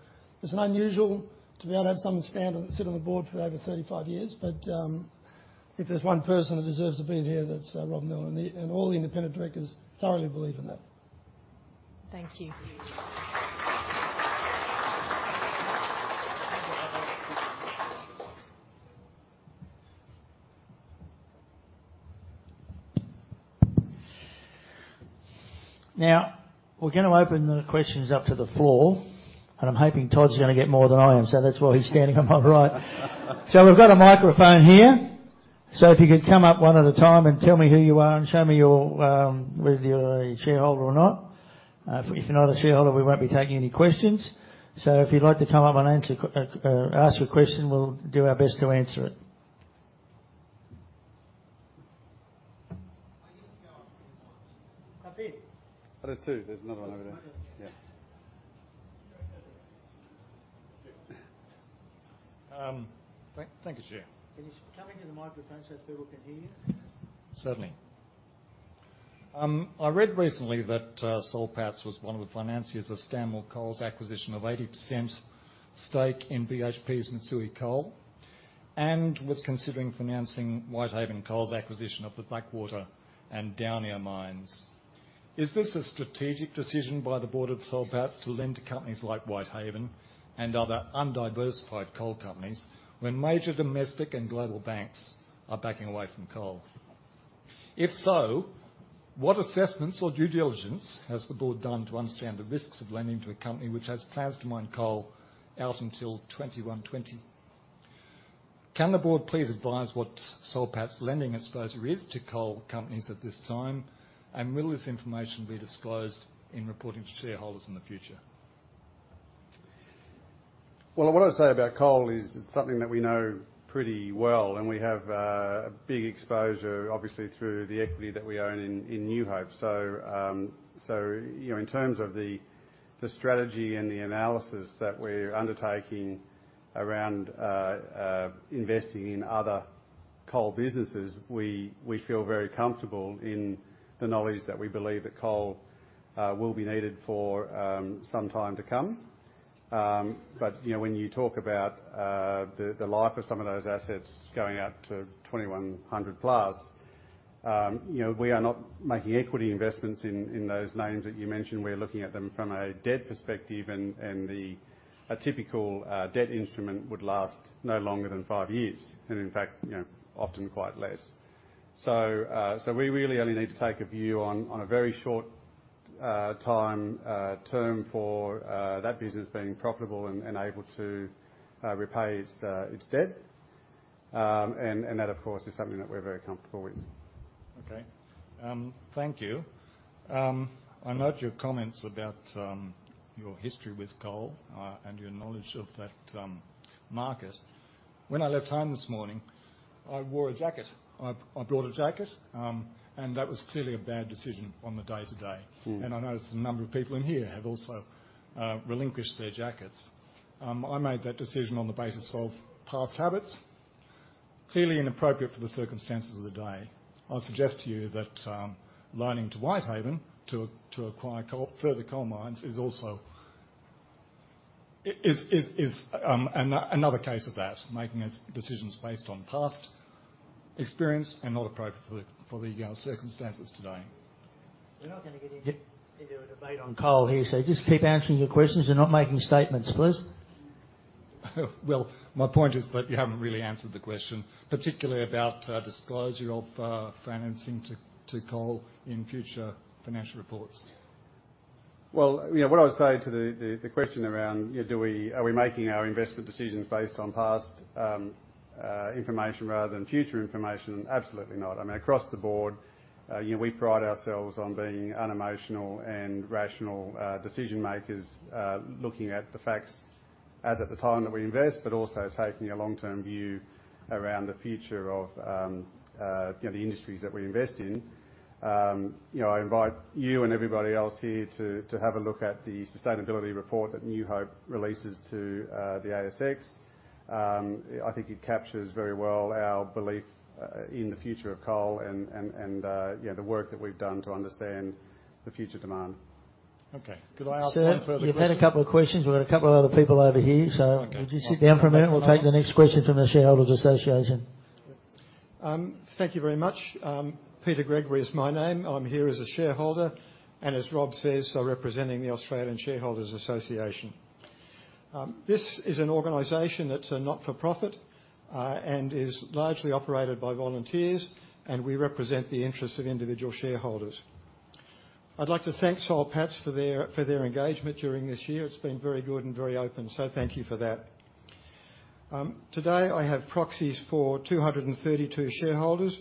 it's unusual to be able to have someone stand on and sit on the board for over 35 years, but, if there's one person that deserves to be here, that's, Rob Millner, and all the independent directors thoroughly believe in that. Thank you. Now, we're gonna open the questions up to the floor, and I'm hoping Todd's gonna get more than I am, so that's why he's standing on my right. So we've got a microphone here. So if you could come up one at a time and tell me who you are and show me your whether you're a shareholder or not. If you're not a shareholder, we won't be taking any questions. So if you'd like to come up and ask your question, we'll do our best to answer it. I need to go. I did. But there's two. There's another one over there. Yeah. Thank you, Chair. Can you come into the microphone so people can hear you? Certainly. I read recently that, Soul Patts was one of the financiers of Stanmore Coal's acquisition of 80% stake in BHP's Mitsui Coal and was considering financing Whitehaven Coal's acquisition of the Blackwater and Daunia mines. Is this a strategic decision by the board of Soul Patts to lend to companies like Whitehaven and other undiversified coal companies, when major domestic and global banks are backing away from coal? If so, what assessments or due diligence has the board done to understand the risks of lending to a company which has plans to mine coal out until 2120? Can the board please advise what Soul Patts lending exposure is to coal companies at this time, and will this information be disclosed in reporting to shareholders in the future? Well, what I would say about coal is it's something that we know pretty well, and we have a big exposure, obviously, through the equity that we own in New Hope. So, so, you know, in terms of the strategy and the analysis that we're undertaking around investing in other coal businesses, we feel very comfortable in the knowledge that we believe that coal will be needed for some time to come. But, you know, when you talk about the life of some of those assets going out to 2100 plus, you know, we are not making equity investments in those names that you mentioned. We're looking at them from a debt perspective and the... A typical debt instrument would last no longer than five years, and in fact, you know, often quite less. So, so we really only need to take a view on, on a very short time term for that business being profitable and, and able to repay its, its debt. And, and that, of course, is something that we're very comfortable with. Okay. Thank you. I note your comments about your history with coal and your knowledge of that market. When I left home this morning, I wore a jacket. I brought a jacket and that was clearly a bad decision on the day-to-day. Mm-hmm. I notice a number of people in here have also relinquished their jackets. I made that decision on the basis of past habits, clearly inappropriate for the circumstances of the day. I suggest to you that lending to Whitehaven to acquire coal, further coal mines is also another case of that, making decisions based on past experience and not appropriate for the circumstances today. We're not gonna get into- Yep. Into a debate on coal here, so just keep answering the questions and not making statements, please. Well, my point is that you haven't really answered the question, particularly about disclosure of financing to coal in future financial reports. Well, yeah, what I would say to the question around, you know, do we are we making our investment decisions based on past information rather than future information? Absolutely not. I mean, across the board, you know, we pride ourselves on being unemotional and rational decision-makers, looking at the facts as at the time that we invest, but also taking a long-term view around the future of, you know, the industries that we invest in. You know, I invite you and everybody else here to have a look at the sustainability report that New Hope releases to the ASX. I think it captures very well our belief in the future of coal and, you know, the work that we've done to understand the future demand. Okay. Could I ask one further question? Sir, you've had a couple of questions. We've got a couple of other people over here- Okay. Would you sit down for a minute? We'll take the next question from the Shareholders Association. Thank you very much. Peter Gregory is my name. I'm here as a shareholder, and as Rob says, so representing the Australian Shareholders Association. This is an organization that's a not-for-profit, and is largely operated by volunteers, and we represent the interests of individual shareholders.... I'd like to thank Soul Patts for their, for their engagement during this year. It's been very good and very open, so thank you for that. Today, I have proxies for 232 shareholders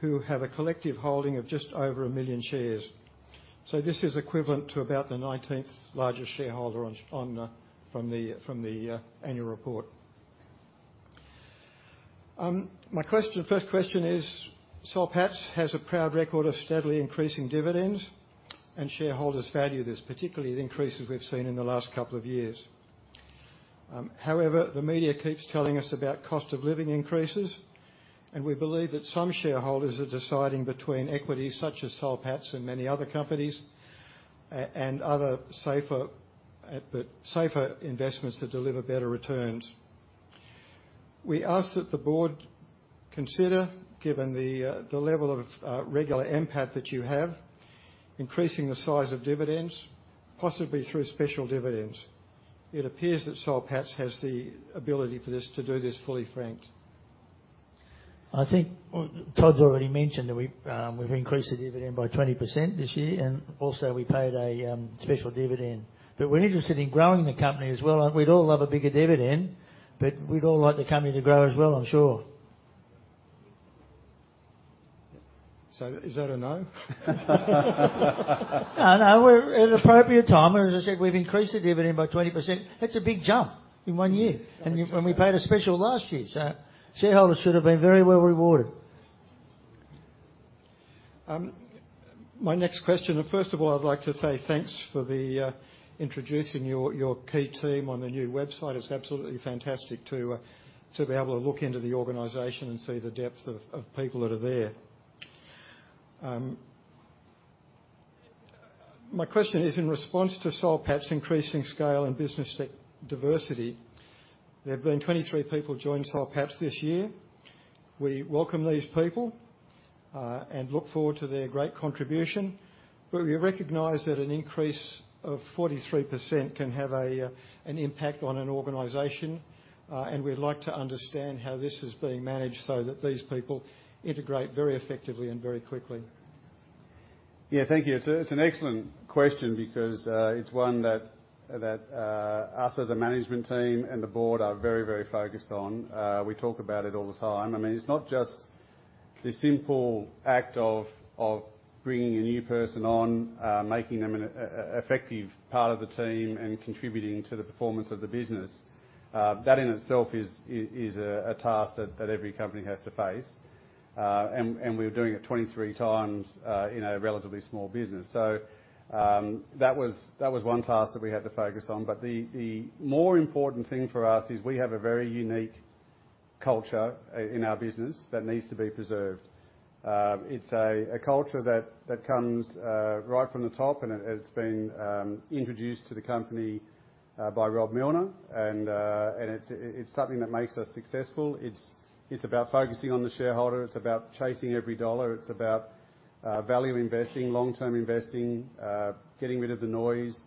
who have a collective holding of just over 1 million shares. So this is equivalent to about the 19th largest shareholder on, on the, from the, from the, annual report. My question, first question is, Soul Patts has a proud record of steadily increasing dividends, and shareholders value this, particularly the increases we've seen in the last couple of years. However, the media keeps telling us about cost of living increases, and we believe that some shareholders are deciding between equities such as Soul Patts and many other companies, and other safer, but safer investments that deliver better returns. We ask that the board consider, given the, the level of, regular impact that you have, increasing the size of dividends, possibly through special dividends. It appears that Soul Patts has the ability for this, to do this fully franked. I think, well, Todd's already mentioned that we've, we've increased the dividend by 20% this year, and also, we paid a special dividend. But we're interested in growing the company as well. And we'd all love a bigger dividend, but we'd all like the company to grow as well, I'm sure. So is that a no? No, no, we're at an appropriate time, and as I said, we've increased the dividend by 20%. It's a big jump in one year, and we, and we paid a special last year, so shareholders should have been very well rewarded. My next question, and first of all, I'd like to say thanks for the introducing your key team on the new website. It's absolutely fantastic to be able to look into the organization and see the depth of people that are there. My question is, in response to Soul Patts increasing scale and business tech diversity, there have been 23 people join Soul Patts this year. We welcome these people and look forward to their great contribution, but we recognize that an increase of 43% can have an impact on an organization, and we'd like to understand how this is being managed so that these people integrate very effectively and very quickly. Yeah, thank you. It's an excellent question because it's one that us as a management team and the board are very, very focused on. We talk about it all the time. I mean, it's not just the simple act of bringing a new person on, making them an effective part of the team and contributing to the performance of the business. That in itself is a task that every company has to face. And we're doing it 23 times in a relatively small business. So, that was one task that we had to focus on. But the more important thing for us is we have a very unique culture in our business that needs to be preserved. It's a culture that comes right from the top, and it's been introduced to the company by Robert Millner. And it's something that makes us successful. It's about focusing on the shareholder. It's about chasing every dollar. It's about value investing, long-term investing, getting rid of the noise,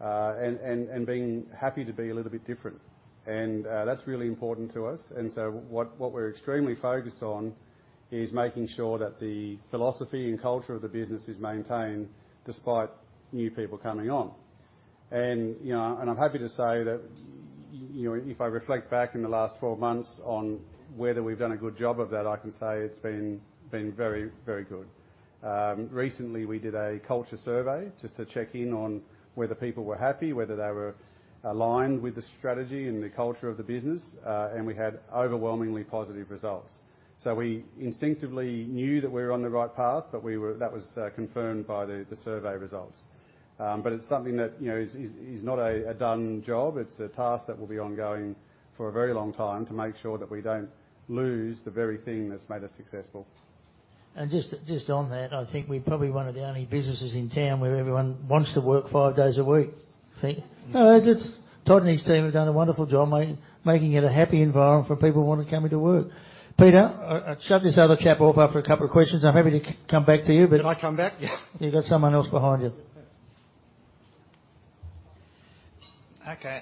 and being happy to be a little bit different. And that's really important to us. And so what we're extremely focused on is making sure that the philosophy and culture of the business is maintained despite new people coming on. And, you know, I'm happy to say that, you know, if I reflect back in the last 12 months on whether we've done a good job of that, I can say it's been very, very good. Recently, we did a culture survey just to check in on whether people were happy, whether they were aligned with the strategy and the culture of the business, and we had overwhelmingly positive results. So we instinctively knew that we were on the right path, but we were... That was confirmed by the survey results. But it's something that, you know, is not a done job. It's a task that will be ongoing for a very long time to make sure that we don't lose the very thing that's made us successful. And just on that, I think we're probably one of the only businesses in town where everyone wants to work five days a week. You think? No, it's Todd and his team have done a wonderful job making it a happy environment for people who want to come into work. Peter, I shoved this other chap off after a couple of questions. I'm happy to come back to you, but- Can I come back? You've got someone else behind you. Okay,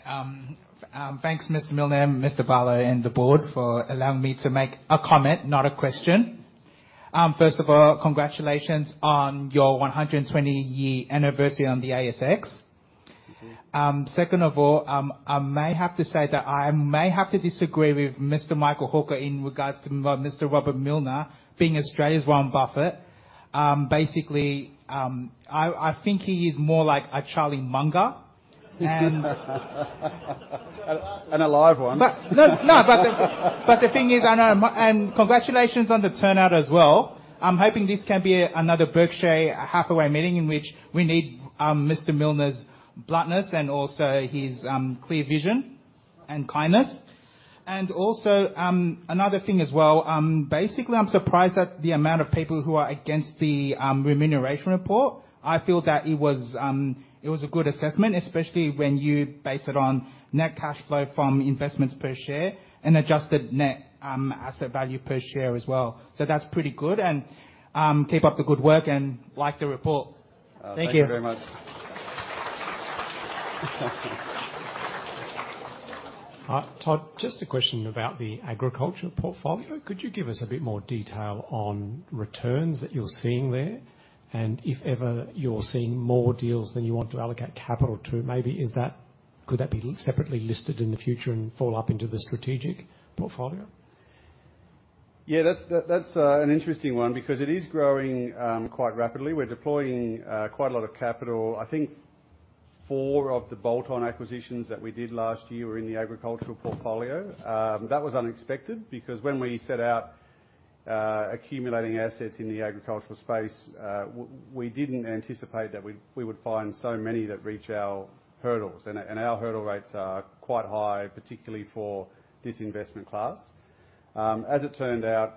thanks, Mr. Millner and Mr. Barlow and the board for allowing me to make a comment, not a question. First of all, congratulations on your 120-year anniversary on the ASX. Second of all, I may have to say that I may have to disagree with Mr. Michael Hawker in regards to Mr. Robert Millner being Australia's Warren Buffett. Basically, I think he is more like a Charlie Munger. And a live one. But the thing is, I know. And congratulations on the turnout as well. I'm hoping this can be another Berkshire Hathaway meeting in which we need Mr. Miller's bluntness and also his clear vision and kindness. And also, another thing as well, basically, I'm surprised at the amount of people who are against the remuneration report. I feel that it was a good assessment, especially when you base it on net cash flow from investments per share and adjusted net asset value per share as well. So that's pretty good, and keep up the good work and like the report. Thank you. Thank you very much. ... Todd, just a question about the agriculture portfolio. Could you give us a bit more detail on returns that you're seeing there? And if ever you're seeing more deals than you want to allocate capital to, maybe is that—could that be separately listed in the future and fall up into the strategic portfolio? Yeah, that's an interesting one, because it is growing quite rapidly. We're deploying quite a lot of capital. I think four of the bolt-on acquisitions that we did last year were in the agricultural portfolio. That was unexpected, because when we set out accumulating assets in the agricultural space, we didn't anticipate that we would find so many that reach our hurdles. And our hurdle rates are quite high, particularly for this investment class. As it turned out,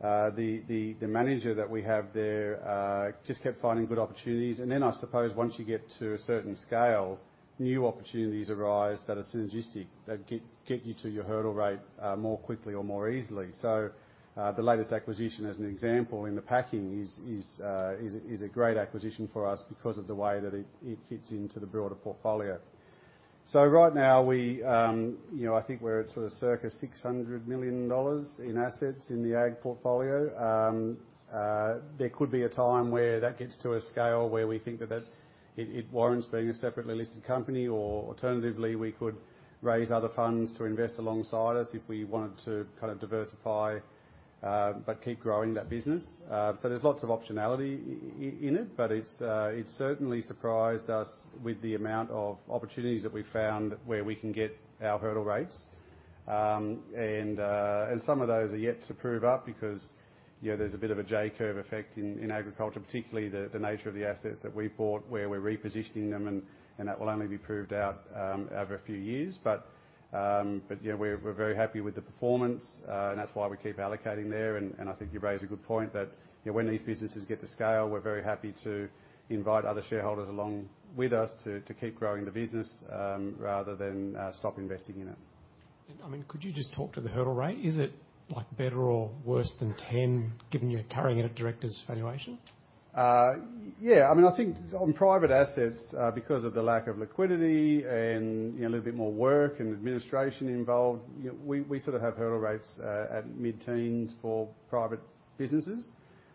the manager that we have there just kept finding good opportunities. And then, I suppose, once you get to a certain scale, new opportunities arise that are synergistic, that get you to your hurdle rate more quickly or more easily. So, the latest acquisition, as an example, in the packing is a great acquisition for us because of the way that it fits into the broader portfolio. So right now, you know, I think we're at sort of circa 600 million dollars in assets in the ag portfolio. There could be a time where that gets to a scale where we think that it warrants being a separately listed company, or alternatively, we could raise other funds to invest alongside us if we wanted to kind of diversify, but keep growing that business. So there's lots of optionality in it, but it's certainly surprised us with the amount of opportunities that we found where we can get our hurdle rates. And some of those are yet to prove up because, you know, there's a bit of a J-curve effect in agriculture, particularly the nature of the assets that we bought, where we're repositioning them, and that will only be proved out over a few years. But, you know, we're very happy with the performance, and that's why we keep allocating there. And I think you raise a good point that, you know, when these businesses get to scale, we're very happy to invite other shareholders along with us to keep growing the business, rather than stop investing in it. I mean, could you just talk to the hurdle rate? Is it, like, better or worse than 10, given you're carrying it at directors' valuation? Yeah. I mean, I think on private assets, because of the lack of liquidity and, you know, a little bit more work and administration involved, you know, we sort of have hurdle rates at mid-teens for private businesses.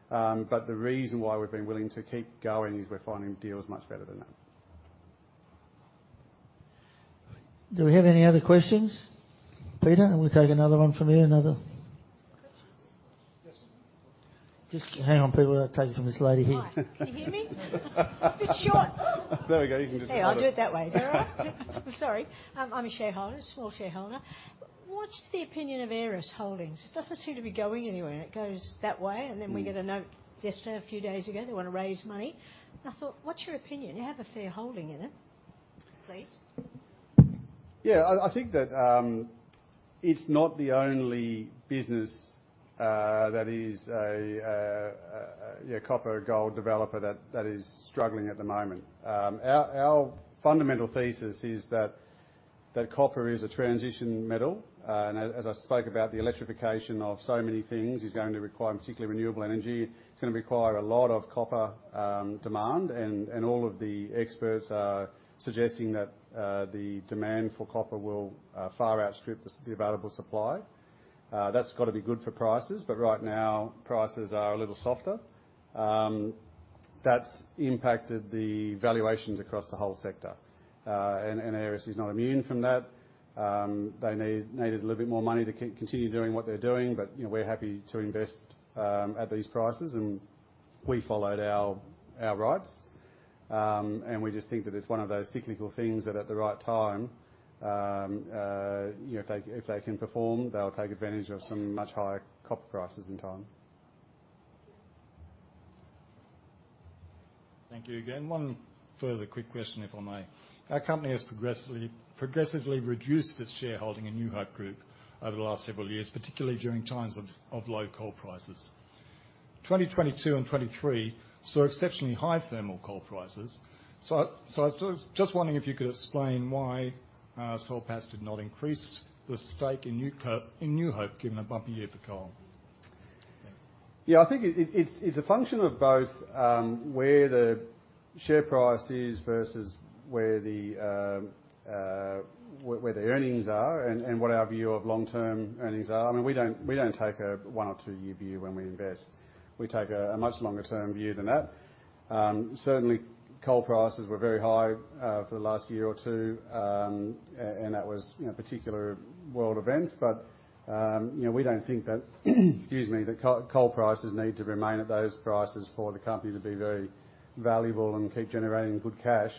But the reason why we've been willing to keep going is we're finding deals much better than that. Do we have any other questions? Peter, and we'll take another one from you. Yes. Just hang on, Peter. I'll take it from this lady here. Hi, can you hear me? It's short. There we go. You can just- Hey, I'll do it that way. Is that all right? Sorry. I'm a shareholder, small shareholder. What's the opinion of Aeris Resources? It doesn't seem to be going anywhere. It goes that way, and then we get a note. Yesterday, a few days ago, they want to raise money. I thought, what's your opinion? You have a fair holding in it. Please. Yeah, I think that it's not the only business that is a copper gold developer that is struggling at the moment. Our fundamental thesis is that copper is a transition metal, and as I spoke about, the electrification of so many things is going to require particularly renewable energy. It's gonna require a lot of copper demand, and all of the experts are suggesting that the demand for copper will far outstrip the available supply. That's got to be good for prices, but right now, prices are a little softer. That's impacted the valuations across the whole sector, and Aeris is not immune from that. They need, needed a little bit more money to keep continuing doing what they're doing, but, you know, we're happy to invest at these prices, and we followed our, our rights. And we just think that it's one of those cyclical things that at the right time, you know, if they, if they can perform, they'll take advantage of some much higher copper prices in time. Thank you again. One further quick question, if I may. Our company has progressively reduced its shareholding in New Hope over the last several years, particularly during times of low coal prices. 2022 and 2023 saw exceptionally high thermal coal prices. I was just wondering if you could explain why Soul Patts did not increase the stake in New Hope, given a bumpy year for coal? Thanks. Yeah, I think it's a function of both, where the share price is versus where the earnings are and what our view of long-term earnings are. I mean, we don't take a one or two-year view when we invest. We take a much longer-term view than that. Certainly, coal prices were very high for the last year or two, and that was, you know, particular world events. But, you know, we don't think that, excuse me, that coal prices need to remain at those prices for the company to be very valuable and keep generating good cash.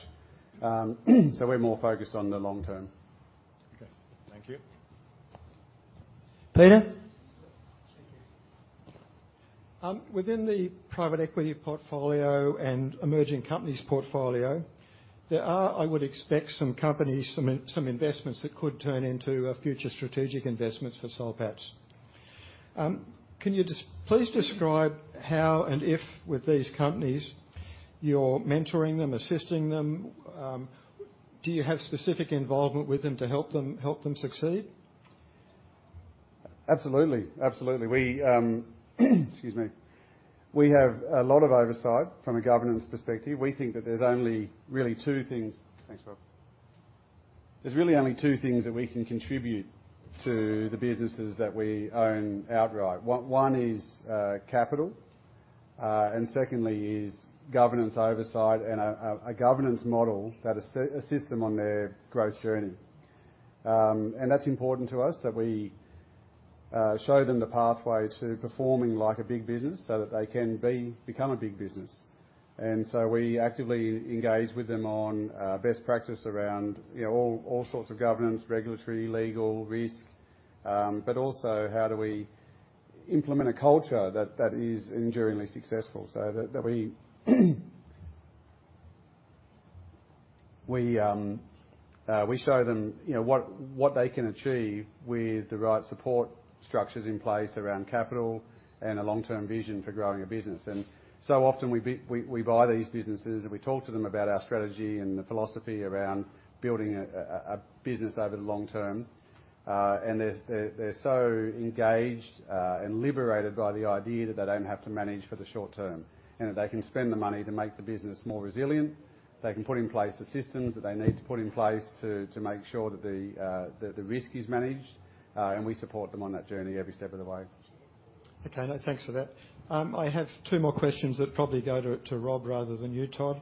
So we're more focused on the long term. Okay. Thank you. Peter? Within the private equity portfolio and emerging companies portfolio, there are, I would expect, some companies, some investments that could turn into future strategic investments for Soul Patts. Can you please describe how and if with these companies, you're mentoring them, assisting them? Do you have specific involvement with them to help them succeed?... Absolutely, absolutely. We, excuse me. We have a lot of oversight from a governance perspective. We think that there's only really two things. Thanks, Rob. There's really only two things that we can contribute to the businesses that we own outright. One is capital, and secondly is governance oversight and a governance model that assists them on their growth journey. And that's important to us, that we show them the pathway to performing like a big business so that they can become a big business. And so we actively engage with them on best practice around, you know, all sorts of governance, regulatory, legal, risk, but also how do we implement a culture that is enduringly successful? So that we show them, you know, what they can achieve with the right support structures in place around capital and a long-term vision for growing a business. And so often we buy these businesses, and we talk to them about our strategy and the philosophy around building a business over the long term. And they're so engaged and liberated by the idea that they don't have to manage for the short term, and that they can spend the money to make the business more resilient. They can put in place the systems that they need to put in place to make sure that the risk is managed, and we support them on that journey every step of the way. Okay, now, thanks for that. I have two more questions that probably go to Rob rather than you, Todd.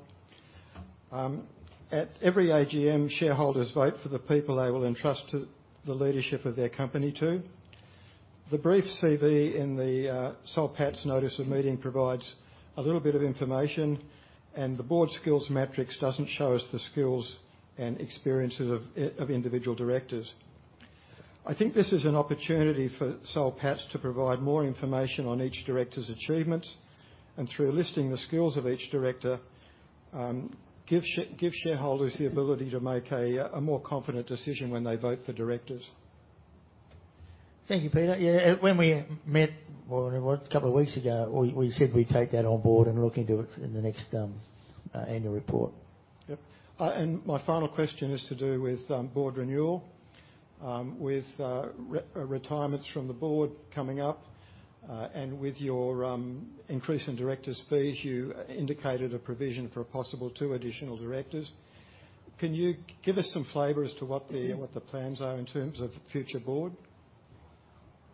At every AGM, shareholders vote for the people they will entrust to the leadership of their company to. The brief CV in the Soul Patts notice of meeting provides a little bit of information, and the board skills matrix doesn't show us the skills and experiences of individual directors. I think this is an opportunity for Soul Patts to provide more information on each director's achievements, and through listing the skills of each director, give shareholders the ability to make a more confident decision when they vote for directors. Thank you, Peter. Yeah, when we met, well, it was a couple of weeks ago, we said we'd take that on board and look into it in the next annual report. Yep. My final question is to do with board renewal. With retirements from the board coming up, and with your increase in directors' fees, you indicated a provision for a possible two additional directors. Can you give us some flavor as to what the-? Mm-hmm... what the plans are in terms of future board?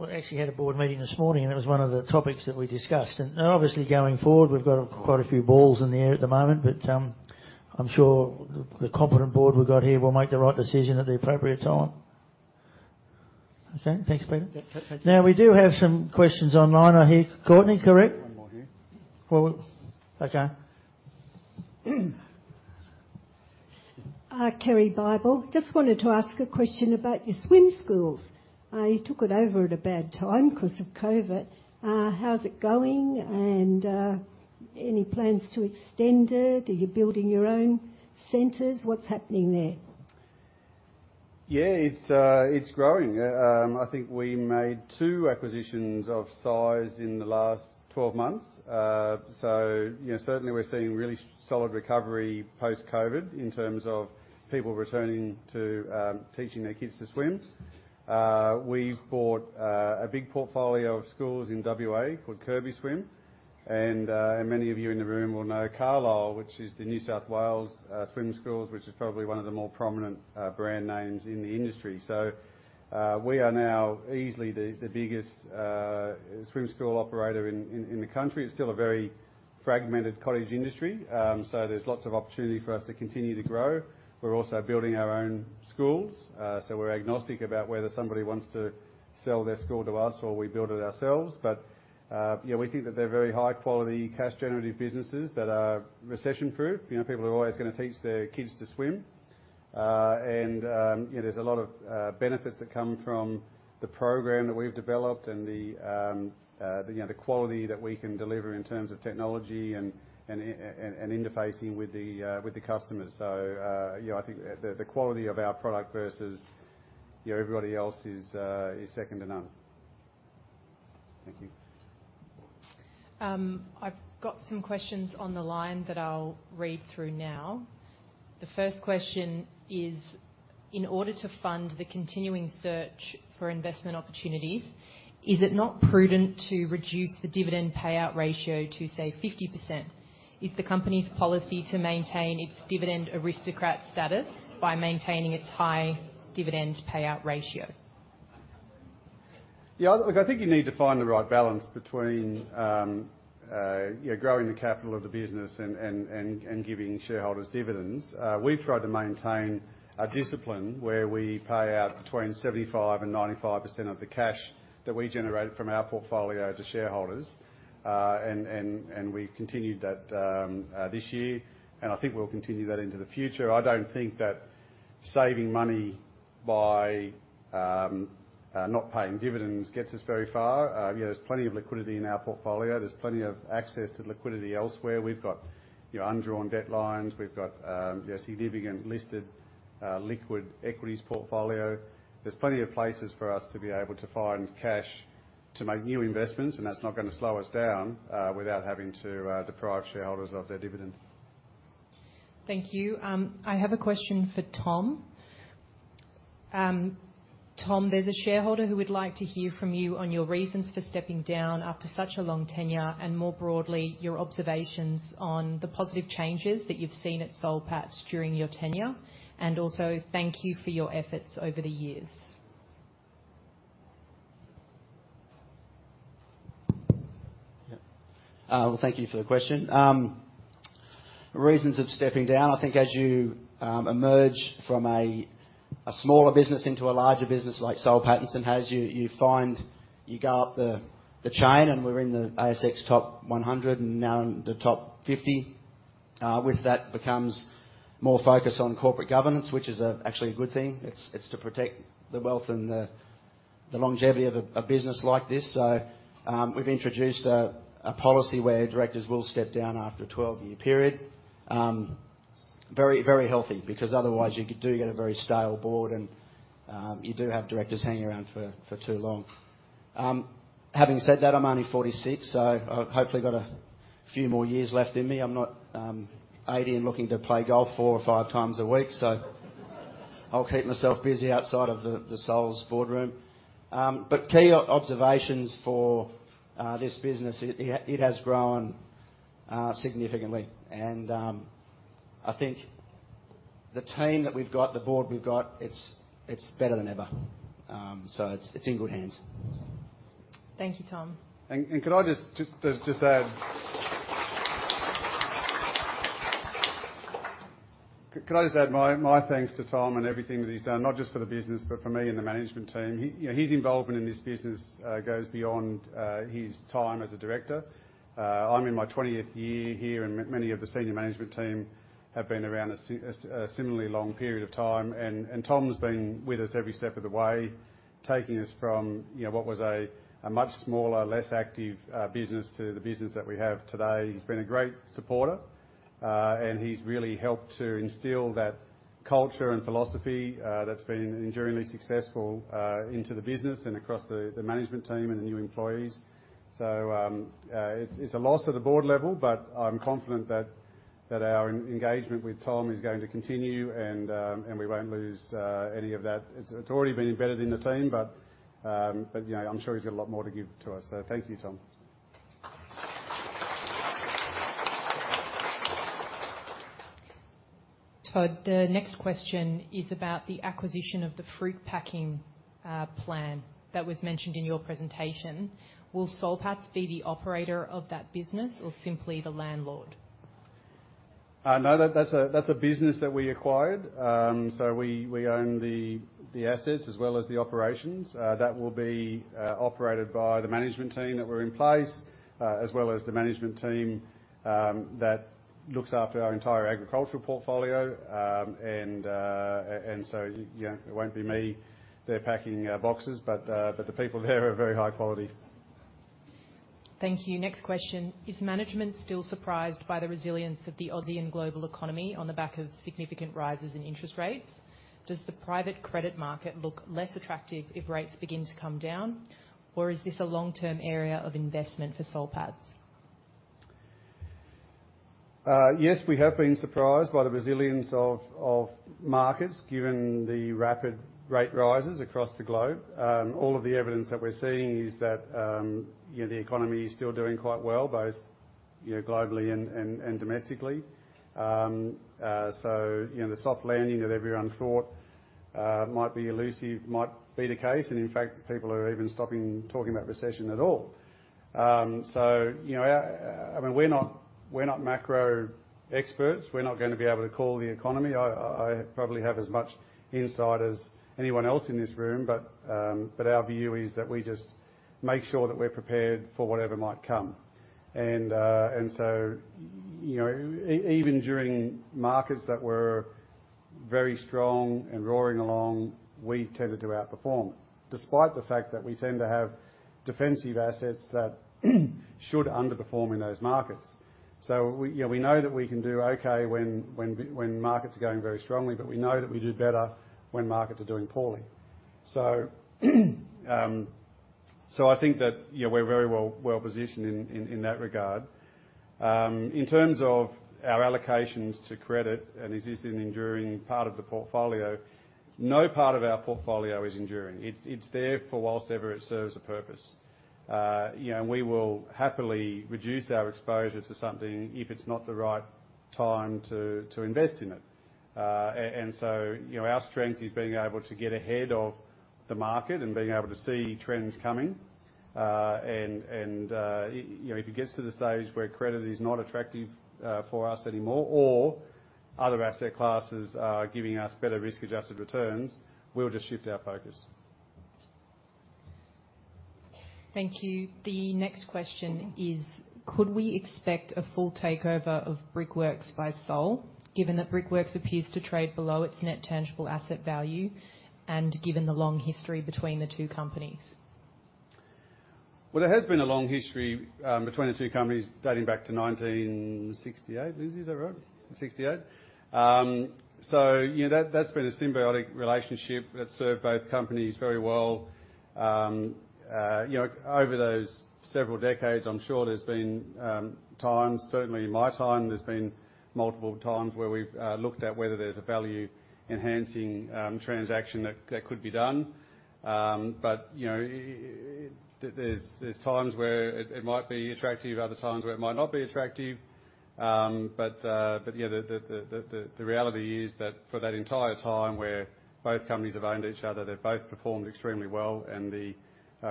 Well, we actually had a board meeting this morning, and it was one of the topics that we discussed. And obviously, going forward, we've got quite a few balls in the air at the moment, but I'm sure the competent board we've got here will make the right decision at the appropriate time. Okay? Thanks, Peter. Yep. Thank you. Now, we do have some questions online. I hear Courtney, correct? One more here. Well, okay. Kerry Bible. Just wanted to ask a question about your swim schools. How's it going? And, any plans to extend it? Are you building your own centers? What's happening there? Yeah, it's growing. I think we made two acquisitions of size in the last 12 months. So you know, certainly we're seeing really solid recovery post-COVID in terms of people returning to teaching their kids to swim. We bought a big portfolio of schools in WA called Kirby Swim, and many of you in the room will know Carlile, which is the New South Wales swim schools, which is probably one of the more prominent brand names in the industry. So we are now easily the biggest swim school operator in the country. It's still a very fragmented cottage industry, so there's lots of opportunity for us to continue to grow. We're also building our own schools, so we're agnostic about whether somebody wants to sell their school to us or we build it ourselves. But, you know, we think that they're very high-quality, cash-generative businesses that are recession-proof. You know, people are always gonna teach their kids to swim. You know, there's a lot of benefits that come from the program that we've developed and the, you know, the quality that we can deliver in terms of technology and interfacing with the customers. So, you know, I think the quality of our product versus, you know, everybody else is second to none. Thank you. I've got some questions on the line that I'll read through now. The first question is: In order to fund the continuing search for investment opportunities, is it not prudent to reduce the dividend payout ratio to, say, 50%? Is the company's policy to maintain its dividend aristocrat status by maintaining its high dividend payout ratio? Yeah, look, I think you need to find the right balance between, you know, growing the capital of the business and giving shareholders dividends. We've tried to maintain a discipline where we pay out between 75% and 95% of the cash that we generate from our portfolio to shareholders. And we continued that this year, and I think we'll continue that into the future. I don't think that saving money by not paying dividends gets us very far. You know, there's plenty of liquidity in our portfolio. There's plenty of access to liquidity elsewhere. We've got, you know, undrawn debt lines. We've got, you know, significant listed liquid equities portfolio. There's plenty of places for us to be able to find cash to make new investments, and that's not gonna slow us down, without having to deprive shareholders of their dividend.... Thank you. I have a question for Tom. Tom, there's a shareholder who would like to hear from you on your reasons for stepping down after such a long tenure, and more broadly, your observations on the positive changes that you've seen at Soul Patts during your tenure, and also, thank you for your efforts over the years. Yep. Well, thank you for the question. Reasons of stepping down, I think as you emerge from a smaller business into a larger business like Soul Patts has, you find you go up the chain, and we're in the ASX top 100, and now in the top 50. With that becomes more focus on corporate governance, which is a actually a good thing. It's to protect the wealth and the longevity of a business like this. So, we've introduced a policy where directors will step down after a 12-year period. Very, very healthy, because otherwise you could do get a very stale board, and you do have directors hanging around for too long. Having said that, I'm only 46, so I've hopefully got a few more years left in me. I'm not eighty and looking to play golf four or five times a week, so I'll keep myself busy outside of the Soul's boardroom. But key observations for this business, it has grown significantly, and I think the team that we've got, the board we've got, it's in good hands. Thank you, Tom. Could I just add my thanks to Tom and everything that he's done, not just for the business, but for me and the management team? He, you know, his involvement in this business goes beyond his time as a director. I'm in my 20th year here, and many of the senior management team have been around a similarly long period of time, and Tom's been with us every step of the way, taking us from, you know, what was a much smaller, less active business to the business that we have today. He's been a great supporter, and he's really helped to instill that culture and philosophy that's been enduringly successful into the business and across the management team and the new employees. So, it's a loss at the board level, but I'm confident that our engagement with Tom is going to continue, and we won't lose any of that. It's already been embedded in the team, but you know, I'm sure he's got a lot more to give to us, so thank you, Tom. Todd, the next question is about the acquisition of the fruit packing plant that was mentioned in your presentation. Will Soul Patts be the operator of that business or simply the landlord? No, that's a business that we acquired. So we own the assets as well as the operations. That will be operated by the management team that were in place as well as the management team that looks after our entire agricultural portfolio. And so, you know, it won't be me there packing boxes, but the people there are very high quality. Thank you. Next question: Is management still surprised by the resilience of the Aussie and global economy on the back of significant rises in interest rates? Does the private credit market look less attractive if rates begin to come down, or is this a long-term area of investment for Soul Patts? Yes, we have been surprised by the resilience of markets, given the rapid rate rises across the globe. All of the evidence that we're seeing is that, you know, the economy is still doing quite well, both, you know, globally and domestically. So, you know, the soft landing that everyone thought might be elusive, might be the case, and in fact, people are even stopping talking about recession at all. So, you know, I mean, we're not macro experts. We're not gonna be able to call the economy. I probably have as much insight as anyone else in this room, but our view is that we just make sure that we're prepared for whatever might come. And so, you know, even during markets that were very strong and roaring along, we tended to outperform, despite the fact that we tend to have defensive assets that should underperform in those markets. So we, you know, we know that we can do okay when markets are going very strongly, but we know that we do better when markets are doing poorly. So I think that, you know, we're very well positioned in that regard. In terms of our allocations to credit, and is this an enduring part of the portfolio? No part of our portfolio is enduring. It's there for while ever it serves a purpose. You know, and we will happily reduce our exposure to something if it's not the right time to invest in it. You know, our strength is being able to get ahead of the market and being able to see trends coming. You know, if it gets to the stage where credit is not attractive for us anymore, or other asset classes are giving us better risk-adjusted returns, we'll just shift our focus. Thank you. The next question is: Could we expect a full takeover of Brickworks by Soul, given that Brickworks appears to trade below its net tangible asset value and given the long history between the two companies? Well, there has been a long history between the two companies, dating back to 1968. Lindsay, is that right? Sixty-eight. So, you know, that, that's been a symbiotic relationship that's served both companies very well. You know, over those several decades, I'm sure there's been times, certainly in my time, there's been multiple times where we've looked at whether there's a value-enhancing transaction that could be done. But, you know, there's times where it might be attractive, other times where it might not be attractive. But, yeah, the reality is that for that entire time where both companies have owned each other, they've both performed extremely well and the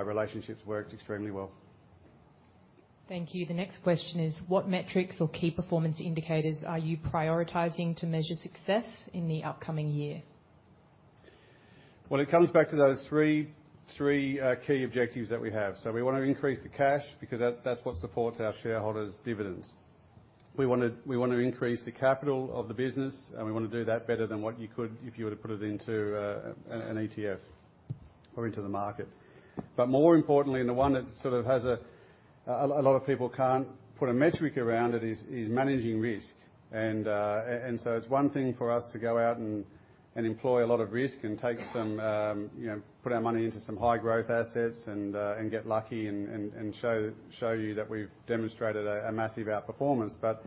relationships worked extremely well. Thank you. The next question is: What metrics or key performance indicators are you prioritizing to measure success in the upcoming year? Well, it comes back to those three key objectives that we have. So we want to increase the cash because that, that's what supports our shareholders' dividends. We want to, we want to increase the capital of the business, and we want to do that better than what you could if you were to put it into an ETF or into the market. But more importantly, and the one that sort of has a lot of people can't put a metric around it, is managing risk. And so it's one thing for us to go out and employ a lot of risk and take some, you know, put our money into some high growth assets and get lucky and show you that we've demonstrated a massive outperformance. But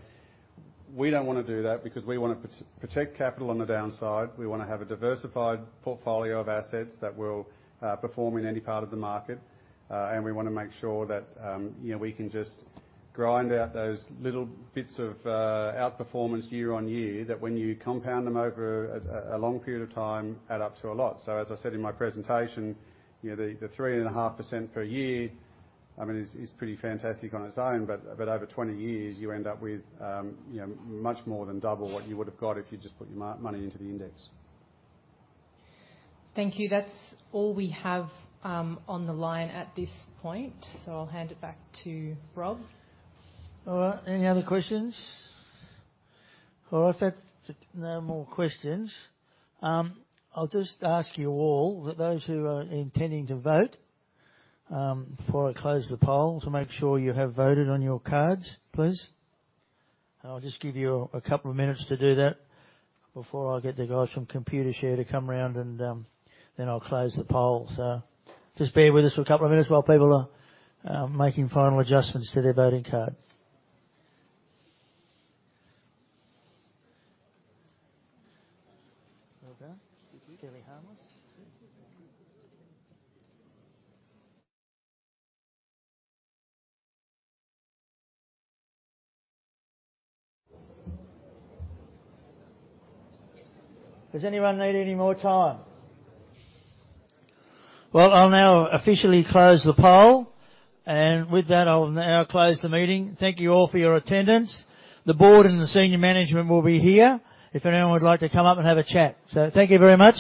we don't wanna do that because we wanna protect capital on the downside. We wanna have a diversified portfolio of assets that will perform in any part of the market. And we wanna make sure that, you know, we can just grind out those little bits of outperformance year on year, that when you compound them over a long period of time, add up to a lot. So as I said in my presentation, you know, the 3.5% per year, I mean, is pretty fantastic on its own, but over 20 years, you end up with, you know, much more than double what you would have got if you just put your money into the index. Thank you. That's all we have on the line at this point, so I'll hand it back to Rob. All right. Any other questions? All right, if there's no more questions, I'll just ask you all, that those who are intending to vote, before I close the poll, to make sure you have voted on your cards, please. I'll just give you a couple of minutes to do that before I get the guys from Computershare to come around, and then I'll close the poll. So just bear with us for a couple of minutes while people are making final adjustments to their voting card. All done? Mm-hmm. Fairly harmless. Does anyone need any more time? Well, I'll now officially close the poll, and with that, I'll now close the meeting. Thank you all for your attendance. The board and the senior management will be here if anyone would like to come up and have a chat. So thank you very much.